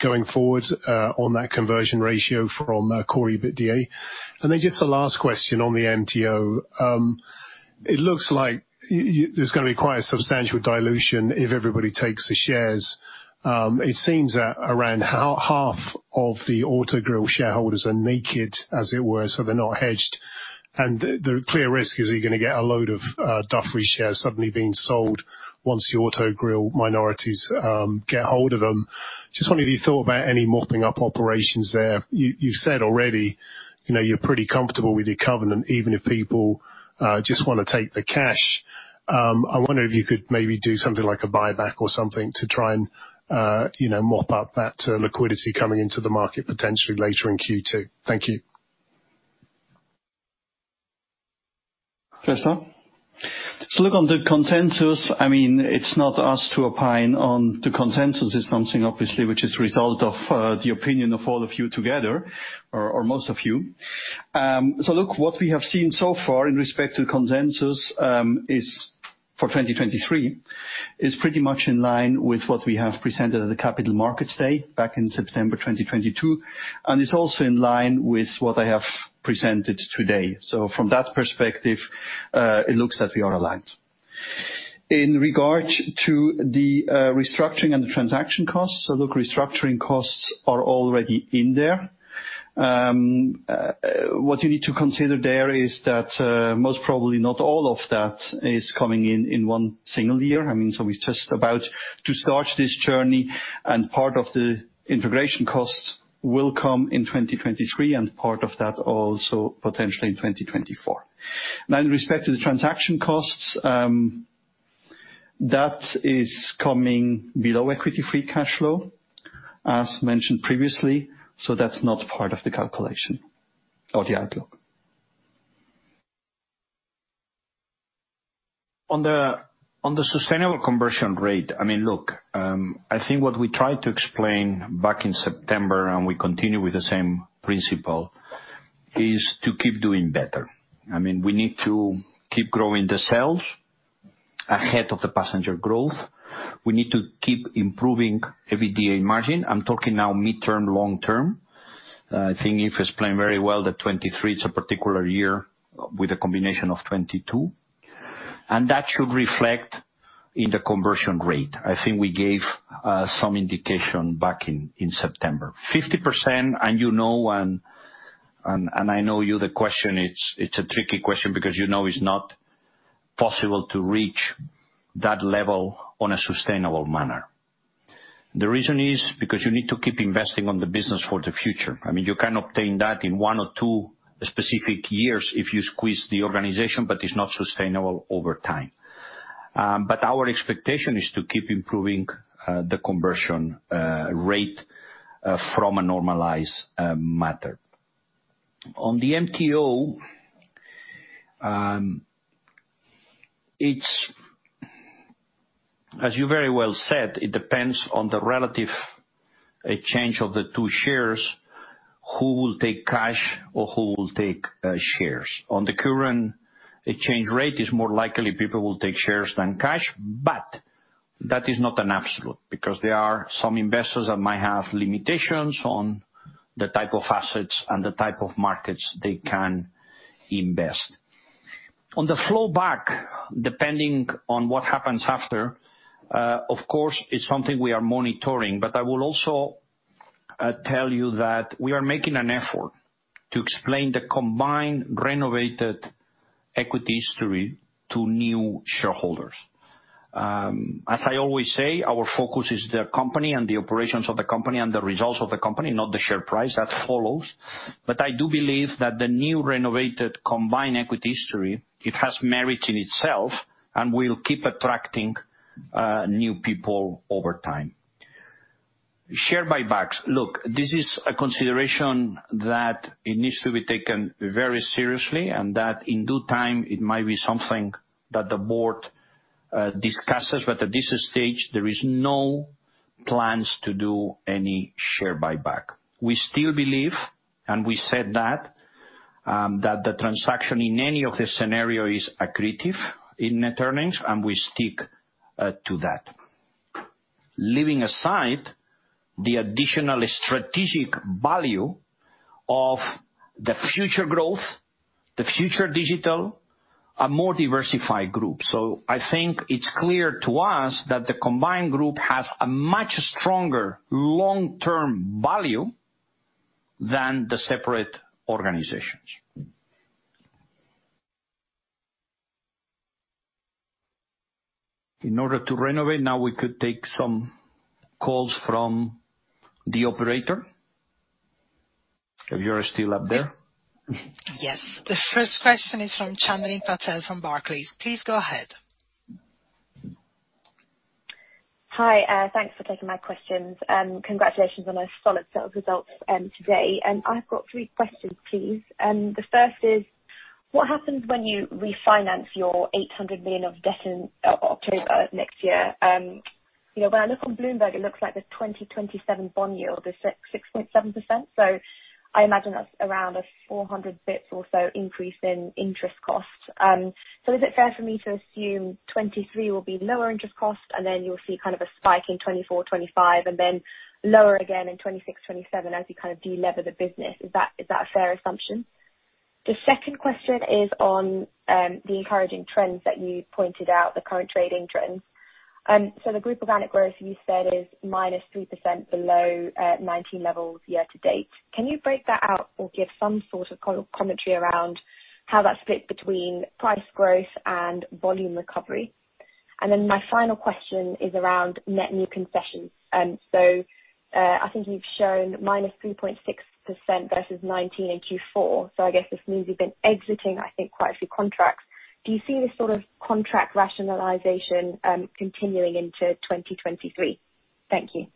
going forward on that conversion ratio from CORE EBITDA? Then just the last question on the MTO. It looks like it's gonna require substantial dilution if everybody takes the shares. It seems that around half of the Autogrill shareholders are naked, as it were, so they're not hedged. The clear risk is you're gonna get a load of duty-free shares suddenly being sold once the Autogrill minorities get hold of them. Just wondering if you thought about any mopping up operations there? You, you've said already, you know, you're pretty comfortable with your covenant, even if people just wanna take the cash. I wonder if you could maybe do something like a buyback or something to try and, you know, mop up that liquidity coming into the market potentially later in Q2. Thank you. Gerster? Look, on the consensus, I mean, it's not us to opine on the consensus. It's something obviously which is a result of the opinion of all of you together or most of you. Look, what we have seen so far in respect to consensus, is for 2023, is pretty much in line with what we have presented at the Capital Markets Day back in September 2022, and it's also in line with what I have presented today. From that perspective, it looks that we are aligned. In regard to the restructuring and the transaction costs, look, restructuring costs are already in there. What you need to consider there is that most probably not all of that is coming in in one single year. I mean, we're just about to start this journey, and part of the integration costs will come in 2023 and part of that also potentially in 2024. In respect to the transaction costs, that is coming below Equity Free Cash Flow, as mentioned previously, so that's not part of the calculation or the outlook. On the sustainable conversion rate, I mean, look, I think what we tried to explain back in September, and we continue with the same principle, is to keep doing better. I mean, we need to keep growing the sales ahead of the passenger growth. We need to keep improving EBITDA margin. I'm talking now mid-term, long-term. I think if it's planned very well that 2023 is a particular year with a combination of 2022, and that should reflect in the conversion rate. I think we gave some indication back in September. 50%, and you know, I know you, the question, it's a tricky question because you know it's not possible to reach that level on a sustainable manner, the reason is because you need to keep investing on the business for the future. I mean, you can obtain that in one or two specific years if you squeeze the organization, but it's not sustainable over time. Our expectation is to keep improving the conversion rate from a normalized matter. On the MTO, as you very well said, it depends on the relative change of the two shares, who will take cash or who will take shares. On the current exchange rate, it's more likely people will take shares than cash, but that is not an absolute, because there are some investors that might have limitations on the type of assets and the type of markets they can invest. On the flow back, depending on what happens after, of course, it's something we are monitoring, but I will also tell you that we are making an effort to explain the combined renovated equity history to new shareholders. As I always say, our focus is the company and the operations of the company and the results of the company, not the share price, that follows. I do believe that the new renovated combined equity history, it has merit in itself, and will keep attracting new people over time. Share buybacks. This is a consideration that it needs to be taken very seriously and that in due time, it might be something that the board discusses, but at this stage, there is no plans to do any share buyback. We still believe, and we said that the transaction in any of the scenario is accretive in net earnings, and we stick to that. Leaving aside the additional strategic value of the future growth, the future digital, a more diversified group. I think it's clear to us that the combined group has a much stronger long-term value than the separate organizations. In order to renovate, now we could take some calls from the operator, if you're still up there. Yes. The first question is from Chandni Patel from Barclays. Please go ahead. Hi. Thanks for taking my questions. Congratulations on a solid set of results today. I've got three questions, please. The first is, what happens when you refinance your 800 million of debt in October of next year? You know, when I look on Bloomberg, it looks like the 2027 bond yield is 6.7%, so I imagine that's around a 400 basis points or so increase in interest costs. Is it fair for me to assume 2023 will be lower interest cost, and then you'll see kind of a spike in 2024, 2025, and then lower again in 2026, 2027 as you kind of de-lever the business? Is that a fair assumption? The second question is on the encouraging trends that you pointed out, the current trading trends. The group organic growth you said is -3% below 19 levels year to date. Can you break that out or give some sort of co-commentary around how that's split between price growth and volume recovery? My final question is around net new concessions. I think you've shown -3.6% versus 19 in Q4, so I guess this means you've been exiting, I think, quite a few contracts. Do you see this sort of contract rationalization continuing into 2023? Thank you.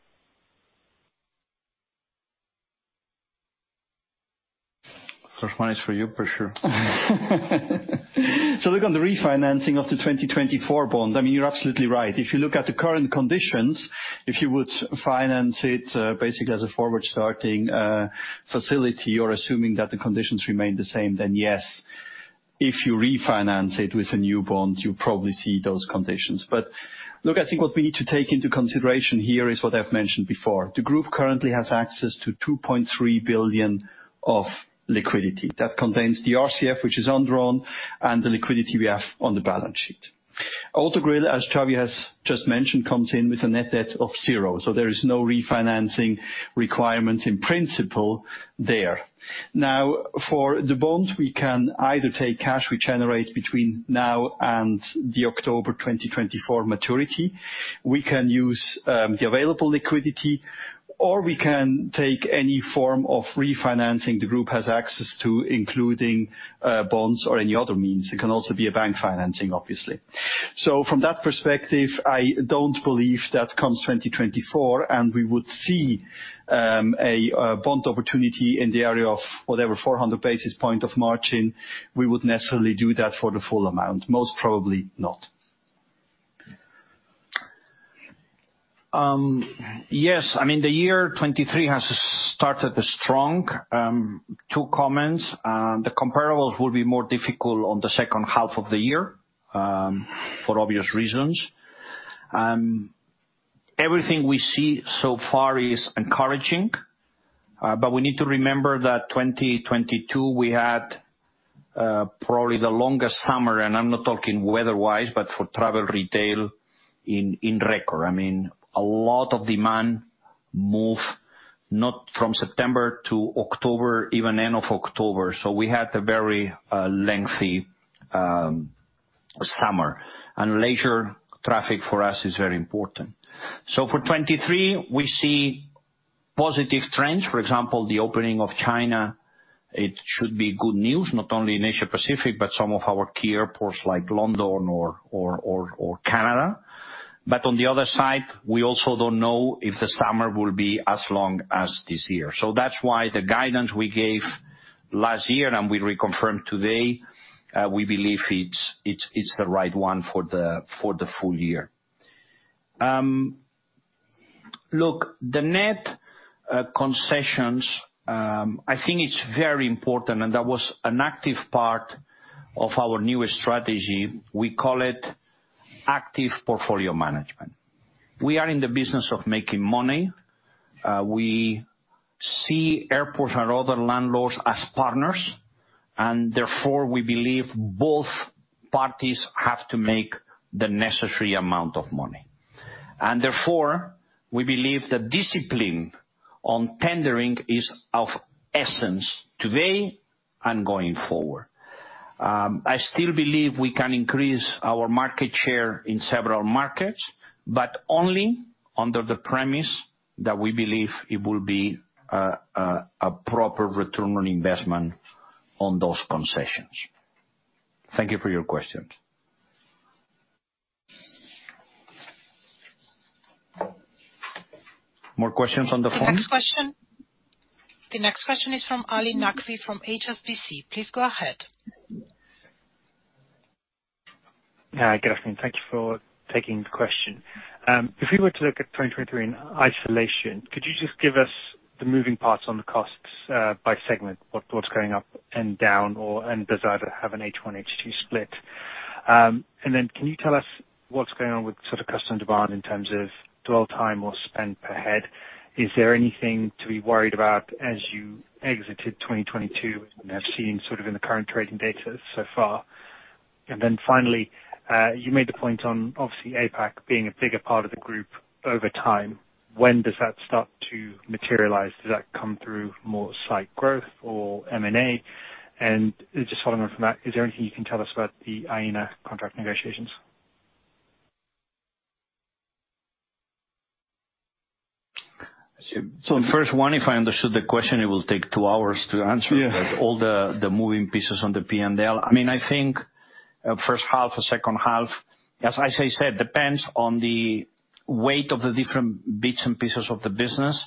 First one is for you, for sure. Look on the refinancing of the 2024 bond. I mean, you're absolutely right. If you look at the current conditions, if you would finance it, basically as a forward starting facility, you're assuming that the conditions remain the same, then yes, if you refinance it with a new bond, you probably see those conditions. Look, I think what we need to take into consideration here is what I've mentioned before. The group currently has access to 2.3 billion of liquidity. That contains the RCF, which is undrawn, and the liquidity we have on the balance sheet. Autogrill, as Xavi has just mentioned, comes in with a net debt of zero, so there is no refinancing requirement in principle there. For the bonds, we can either take cash we generate between now and the October 2024 maturity. We can use the available liquidity, or we can take any form of refinancing the group has access to, including bonds or any other means. It can also be a bank financing, obviously. From that perspective, I don't believe that comes 2024, and we would see a bond opportunity in the area of whatever 400 basis point of margin, we would necessarily do that for the full amount. Most probably not. Yes. I mean, the year 2023 has started strong. Two comments. The comparables will be more difficult on the second half of the year for obvious reasons. Everything we see so far is encouraging. We need to remember that 2022, we had probably the longest summer, and I'm not talking weather-wise, but for travel retail in record. I mean, a lot of demand moved not from September to October, even end of October. We had a very lengthy summer. Leisure traffic for us is very important. For 2023, we see positive trends. For example, the opening of China, it should be good news, not only in Asia-Pacific, but some of our key airports like London or Canada. On the other side, we also don't know if the summer will be as long as this year. That's why the guidance we gave last year, and we reconfirm today, we believe it's the right one for the full year. Look, the net concessions, I think it's very important, and that was an active part of our new strategy. We call it active portfolio management. We are in the business of making money. We see airports and other landlords as partners, and therefore, we believe both parties have to make the necessary amount of money. Therefore, we believe that discipline on tendering is of essence today and going forward. I still believe we can increase our market share in several markets, but only under the premise that we believe it will be a proper return on investment on those concessions. Thank you for your questions. More questions on the phone? The next question is from Ali Naqvi from HSBC. Please go ahead. Good afternoon. Thank you for taking the question. If we were to look at 2023 in isolation, could you just give us the moving parts on the costs by segment? What's going up and down and does that have an H1, H2 split? Can you tell us what's going on with sort of customer demand in terms of dwell time or spend per head? Is there anything to be worried about as you exited 2022 and have seen sort of in the current trading data so far? Finally, you made the point on obviously APAC being a bigger part of the group over time. When does that start to materialize? Does that come through more site growth or M&A? Just following on from that, is there anything you can tell us about the Aena contract negotiations? First one, if I understood the question, it will take two hours to answer. Yeah. With all the moving pieces on the P&L. I mean, I think, first half or second half, as I said, depends on the weight of the different bits and pieces of the business.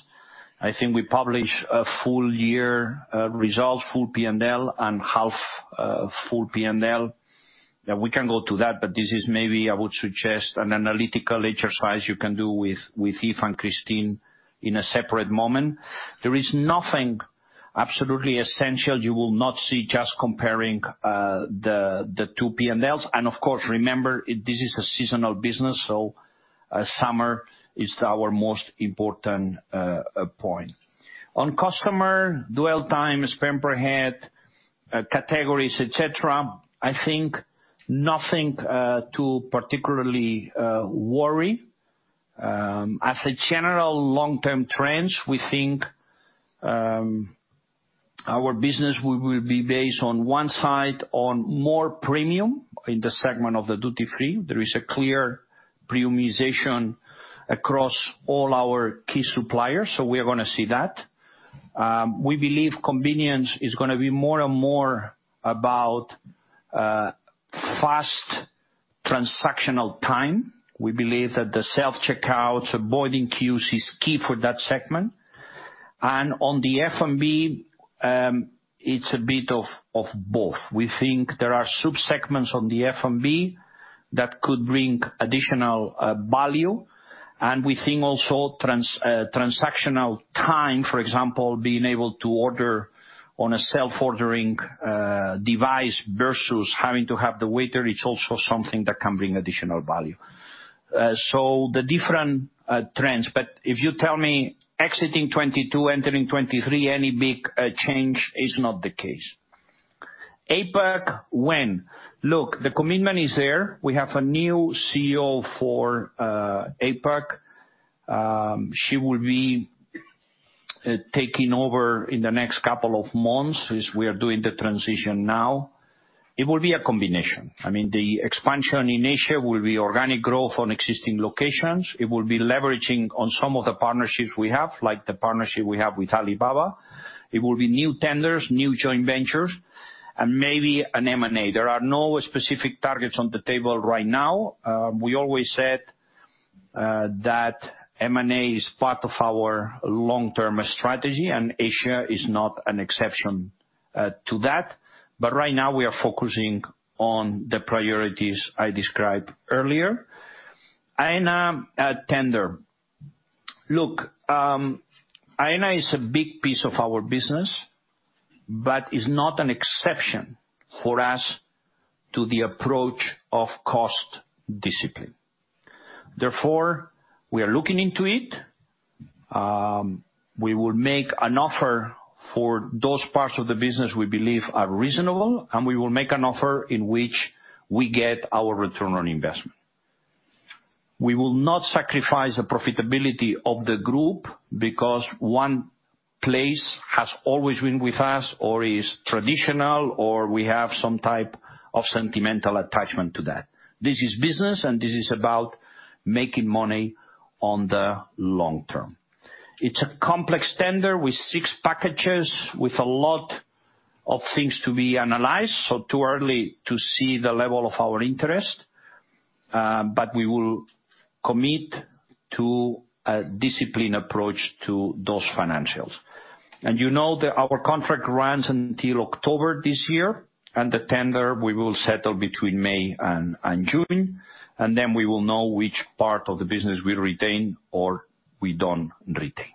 I think we publish a full year result, full P&L and half full P&L. We can go to that, this is maybe I would suggest an analytical exercise you can do with Yves and Christine in a separate moment. There is nothing absolutely essential you will not see just comparing the two P&Ls. Of course, remember, this is a seasonal business, summer is our most important point. On customer dwell time, spend per head, categories, et cetera, I think nothing to particularly worry. As a general long-term trends, we think our business will be based on one side on more premium in the segment of the duty-free. There is a clear premiumization across all our key suppliers, so we are going to see that. We believe convenience is going to be more and more about fast transactional time. We believe that the self-checkout, avoiding queues is key for that segment. On the F&B, it's a bit of both. We think there are sub-segments on the F&B that could bring additional value. We think also transactional time, for example, being able to order on a self-ordering device versus having to have the waiter, it's also something that can bring additional value. The different trends. If you tell me exiting 2022, entering 2023, any big change, is not the case. APAC, when? Look, the commitment is there. We have a new CEO for APAC. She will be taking over in the next couple of months as we are doing the transition now. It will be a combination. I mean, the expansion in Asia will be organic growth on existing locations. It will be leveraging on some of the partnerships we have, like the partnership we have with Alibaba. It will be new tenders, new joint ventures, and maybe an M&A. There are no specific targets on the table right now. We always said that M&A is part of our long-term strategy, and Asia is not an exception to that. Right now we are focusing on the priorities I described earlier. Aena tender. Look, Aena is a big piece of our business, but it's not an exception for us to the approach of cost discipline. Therefore, we are looking into it. We will make an offer for those parts of the business we believe are reasonable, and we will make an offer in which we get our return on investment. We will not sacrifice the profitability of the group because one place has always been with us or is traditional or we have some type of sentimental attachment to that. This is business, and this is about making money on the long term. It's a complex tender with six packages, with a lot of things to be analyzed, so too early to see the level of our interest, but we will commit to a disciplined approach to those financials. You know that our contract runs until October this year, and the tender we will settle between May and June, and then we will know which part of the business we retain or we don't retain.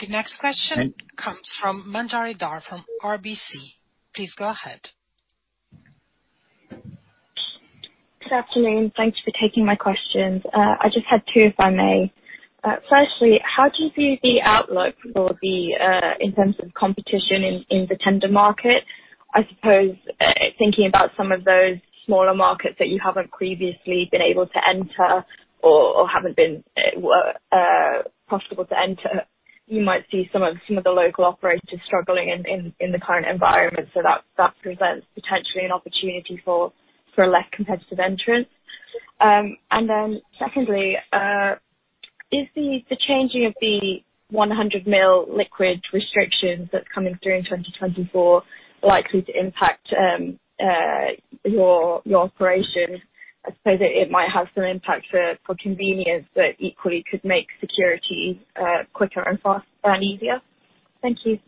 The next question. And- Comes from Manjari Dhar from RBC. Please go ahead. Good afternoon. Thanks for taking my questions. I just had two, if I may. Firstly, how do you view the outlook for the in terms of competition in the tender market? I suppose, thinking about some of those smaller markets that you haven't previously been able to enter or haven't been possible to enter. You might see some of the local operators struggling in the current environment, so that presents potentially an opportunity for a less competitive entrance. Secondly, is the changing of the 100 ml liquids restrictions that's coming through in 2024 likely to impact your operations? I suppose it might have some impact for convenience, but equally could make security quicker and fast, and easier. Thank you.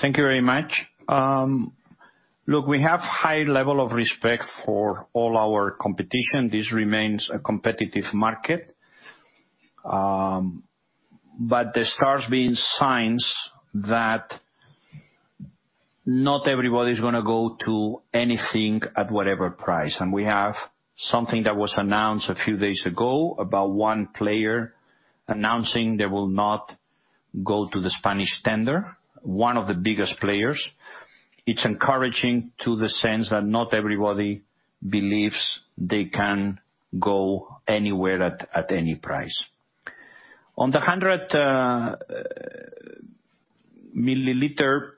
Thank you very much. Look, we have high level of respect for all our competition. This remains a competitive market. There starts being signs that not everybody's gonna go to anything at whatever price. We have something that was announced a few days ago about one player announcing they will not go to the Spanish tender, one of the biggest players. It's encouraging to the sense that not everybody believes they can go anywhere at any price. On the 100 milliliter,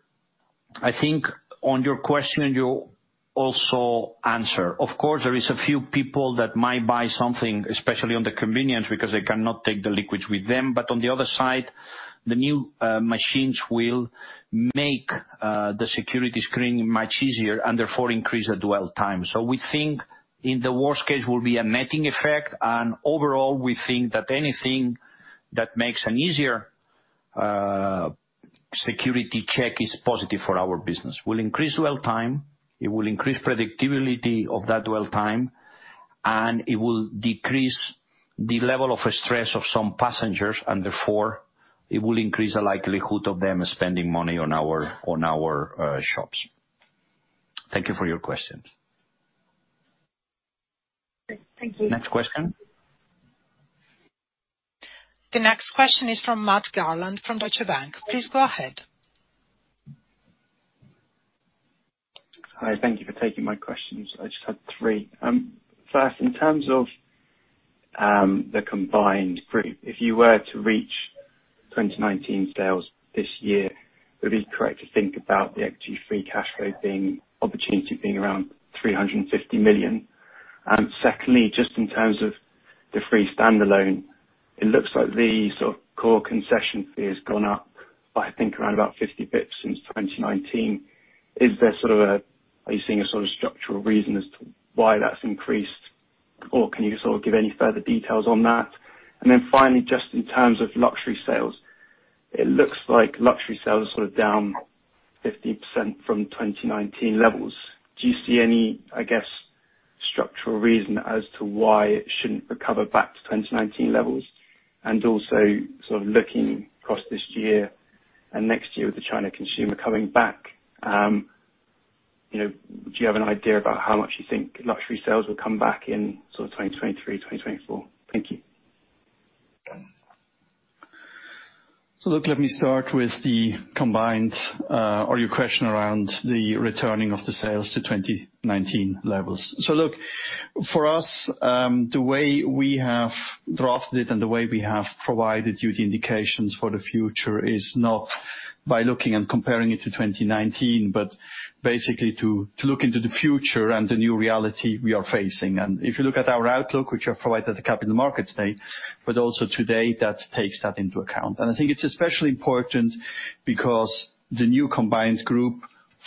I think on your question, you also answer. Of course, there is a few people that might buy something, especially on the convenience, because they cannot take the liquids with them, but on the other side, the new machines will make the security screening much easier and therefore increase the dwell time. We think in the worst case will be a netting effect. Overall, we think that anything that makes an easier security check is positive for our business. Will increase dwell time, it will increase predictability of that dwell time, and it will decrease the level of stress of some passengers, and therefore, it will increase the likelihood of them spending money on our shops. Thank you for your questions. Thank you. Next question. The next question is from [Mike Galant] from Deutsche Bank. Please go ahead. Hi. Thank you for taking my questions. I just had three. First, in terms of the combined group, if you were to reach 2019 sales this year, would it be correct to think about the Equity Free Cash Flow being opportunity being around 350 million? Secondly, just in terms of the free standalone, it looks like the sort of core concession fee has gone up by I think around about 50 basis points since 2019. Is there sort of? Are you seeing a sort of structural reason as to why that's increased or can you sort of give any further details on that? Finally, just in terms of luxury sales, it looks like luxury sales are sort of down 50% from 2019 levels. Do you see any, I guess, structural reason as to why it shouldn't recover back to 2019 levels? Also sort of looking across this year and next year with the China consumer coming back, you know, do you have an idea about how much you think luxury sales will come back in sort of 2023, 2024? Thank you. Look, let me start with the combined, or your question around the returning of the sales to 2019 levels. Look, for us, the way we have drafted it and the way we have provided you the indications for the future is not by looking and comparing it to 2019, but basically to look into the future and the new reality we are facing. If you look at our outlook, which I provided at the Capital Markets Day, but also today, that takes that into account. I think it's especially important because the new combined group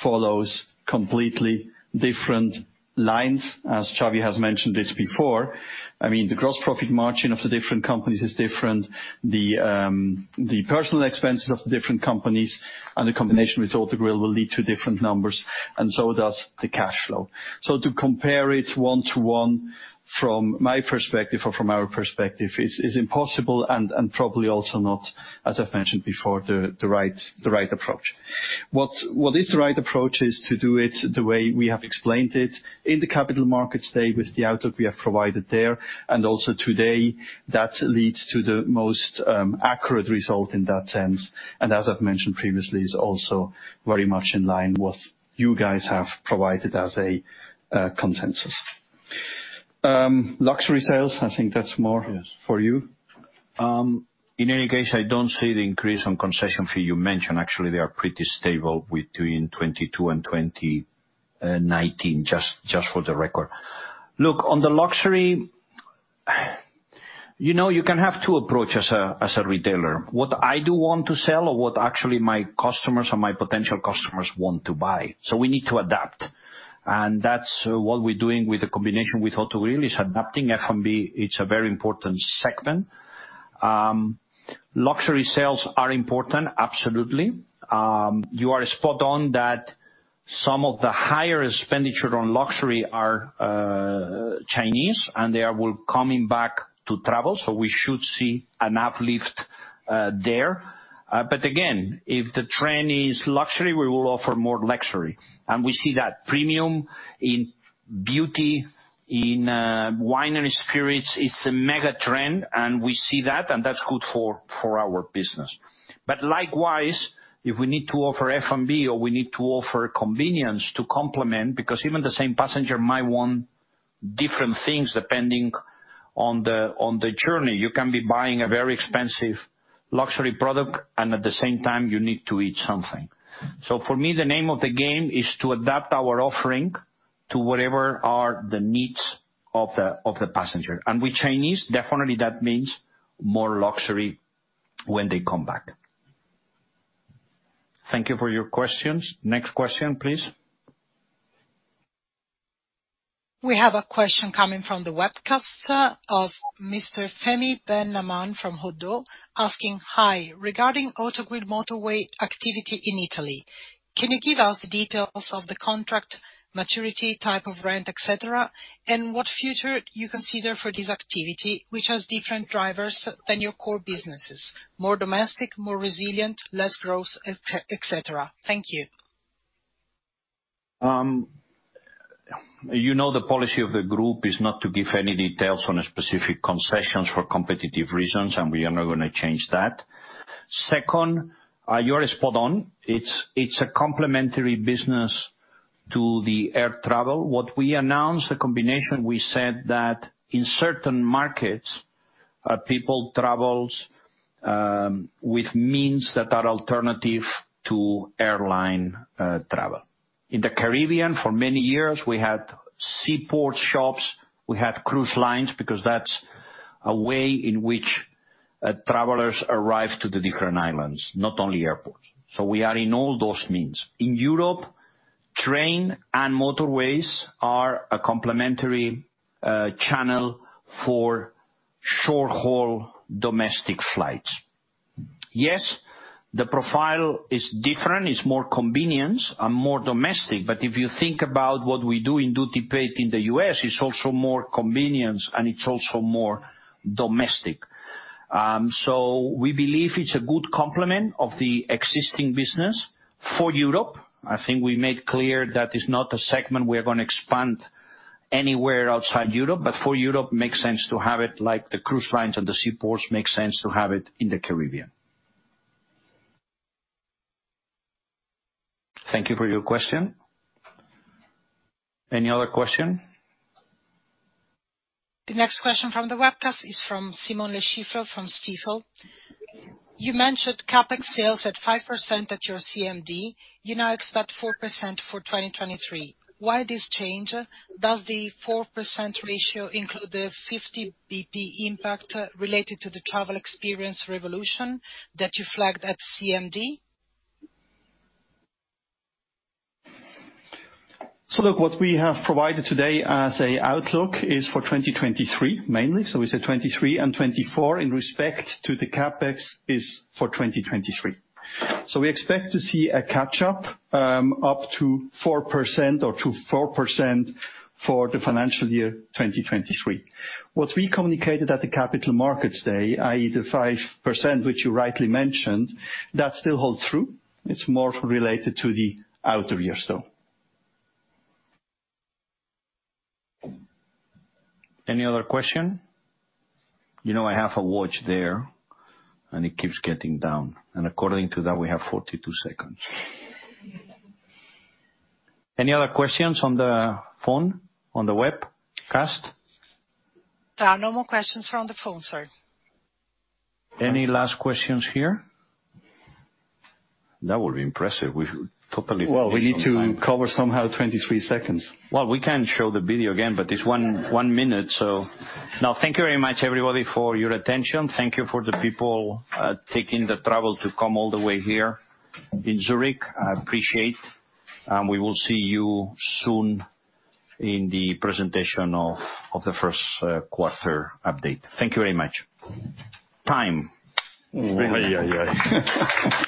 follows completely different lines, as Xavi has mentioned it before. I mean, the gross profit margin of the different companies is different. The personal expenses of the different companies and the combination with Autogrill will lead to different numbers, and so does the cash flow. To compare it one-to-one from my perspective or from our perspective is impossible and probably also not, as I've mentioned before, the right approach. What is the right approach is to do it the way we have explained it in the Capital Markets Day with the outlook we have provided there, and also today, that leads to the most accurate result in that sense. As I've mentioned previously, is also very much in line what you guys have provided as a consensus. Luxury sales, I think that's more- Yes. For you. In any case, I don't see the increase on concession fee you mentioned. Actually, they are pretty stable between 2022 and 2019, just for the record. You know, you can have two approaches as a retailer. What I do want to sell, or what actually my customers or my potential customers want to buy. We need to adapt, and that's what we're doing with the combination with Autogrill, is adapting F&B. It's a very important segment. Luxury sales are important, absolutely. You are spot on that some of the higher expenditure on luxury are Chinese, and they are coming back to travel, so we should see an uplift there. Again, if the trend is luxury, we will offer more luxury. We see that premium in beauty, in wine and spirits. It's a mega-trend, and we see that, and that's good for our business. Likewise, if we need to offer F&B or we need to offer convenience to complement, because even the same passenger might want different things depending on the, on the journey. You can be buying a very expensive luxury product, and at the same time, you need to eat something. For me, the name of the game is to adapt our offering to whatever are the needs of the, of the passenger. With Chinese, definitely that means more luxury when they come back. Thank you for your questions. Next question, please. We have a question coming from the webcast of Mr. Fehmi Ben Naamane from Oddo asking, "Hi. Regarding Autogrill motorway activity in Italy, can you give us the details of the contract, maturity type of rent, et cetera, and what future you consider for this activity, which has different drivers than your core businesses, more domestic, more resilient, less growth, et cetera? Thank you. You know, the policy of the group is not to give any details on a specific concessions for competitive reasons, and we are not gonna change that. Second, you're spot on. It's a complementary business to the air travel. What we announced, the combination, we said that in certain markets, people travels with means that are alternative to airline travel. In the Caribbean, for many years, we had seaport shops, we had cruise lines, because that's a way in which travelers arrive to the different islands, not only airports. We are in all those means. In Europe, train and motorways are a complementary channel for short-haul domestic flights. Yes, the profile is different. It's more convenience and more domestic, but if you think about what we do in duty-paid in the U.S., it's also more convenience, and it's also more domestic. We believe it's a good complement of the existing business for Europe. I think we made clear that it's not a segment we're going to expand anywhere outside Europe, but for Europe, makes sense to have it like the cruise lines and the seaports, makes sense to have it in the Caribbean. Thank you for your question. Any other question? The next question from the webcast is from Simon Lechipre from Stifel. "You mentioned CapEx sales at 5% at your CMD. You now expect 4% for 2023. Why this change? Does the 4% ratio include the 50 BP impact related to the travel experience revolution that you flagged at CMD? Look, what we have provided today as a outlook is for 2023 mainly. We said 2023 and 2024 in respect to the CapEx is for 2023. We expect to see a catch-up up to 4%, or to 4% for the financial year 2023. What we communicated at the Capital Markets Day, i.e., the 5%, which you rightly mentioned, that still holds true. It's more related to the out of year store. Any other question? You know, I have a watch there, and it keeps getting down, and according to that, we have 42 seconds. Any other questions on the phone, on the webcast? There are no more questions from the phone, sir. Any last questions here? That would be impressive. We've totally finished on time. Well, we need to cover somehow 23 seconds. Well, we can show the video again, but it's one minute. No, thank you very much, everybody, for your attention. Thank you for the people taking the travel to come all the way here in Zurich. I appreciate. We will see you soon in the presentation of the first quarter update. Thank you very much. Time. Yeah, yeah.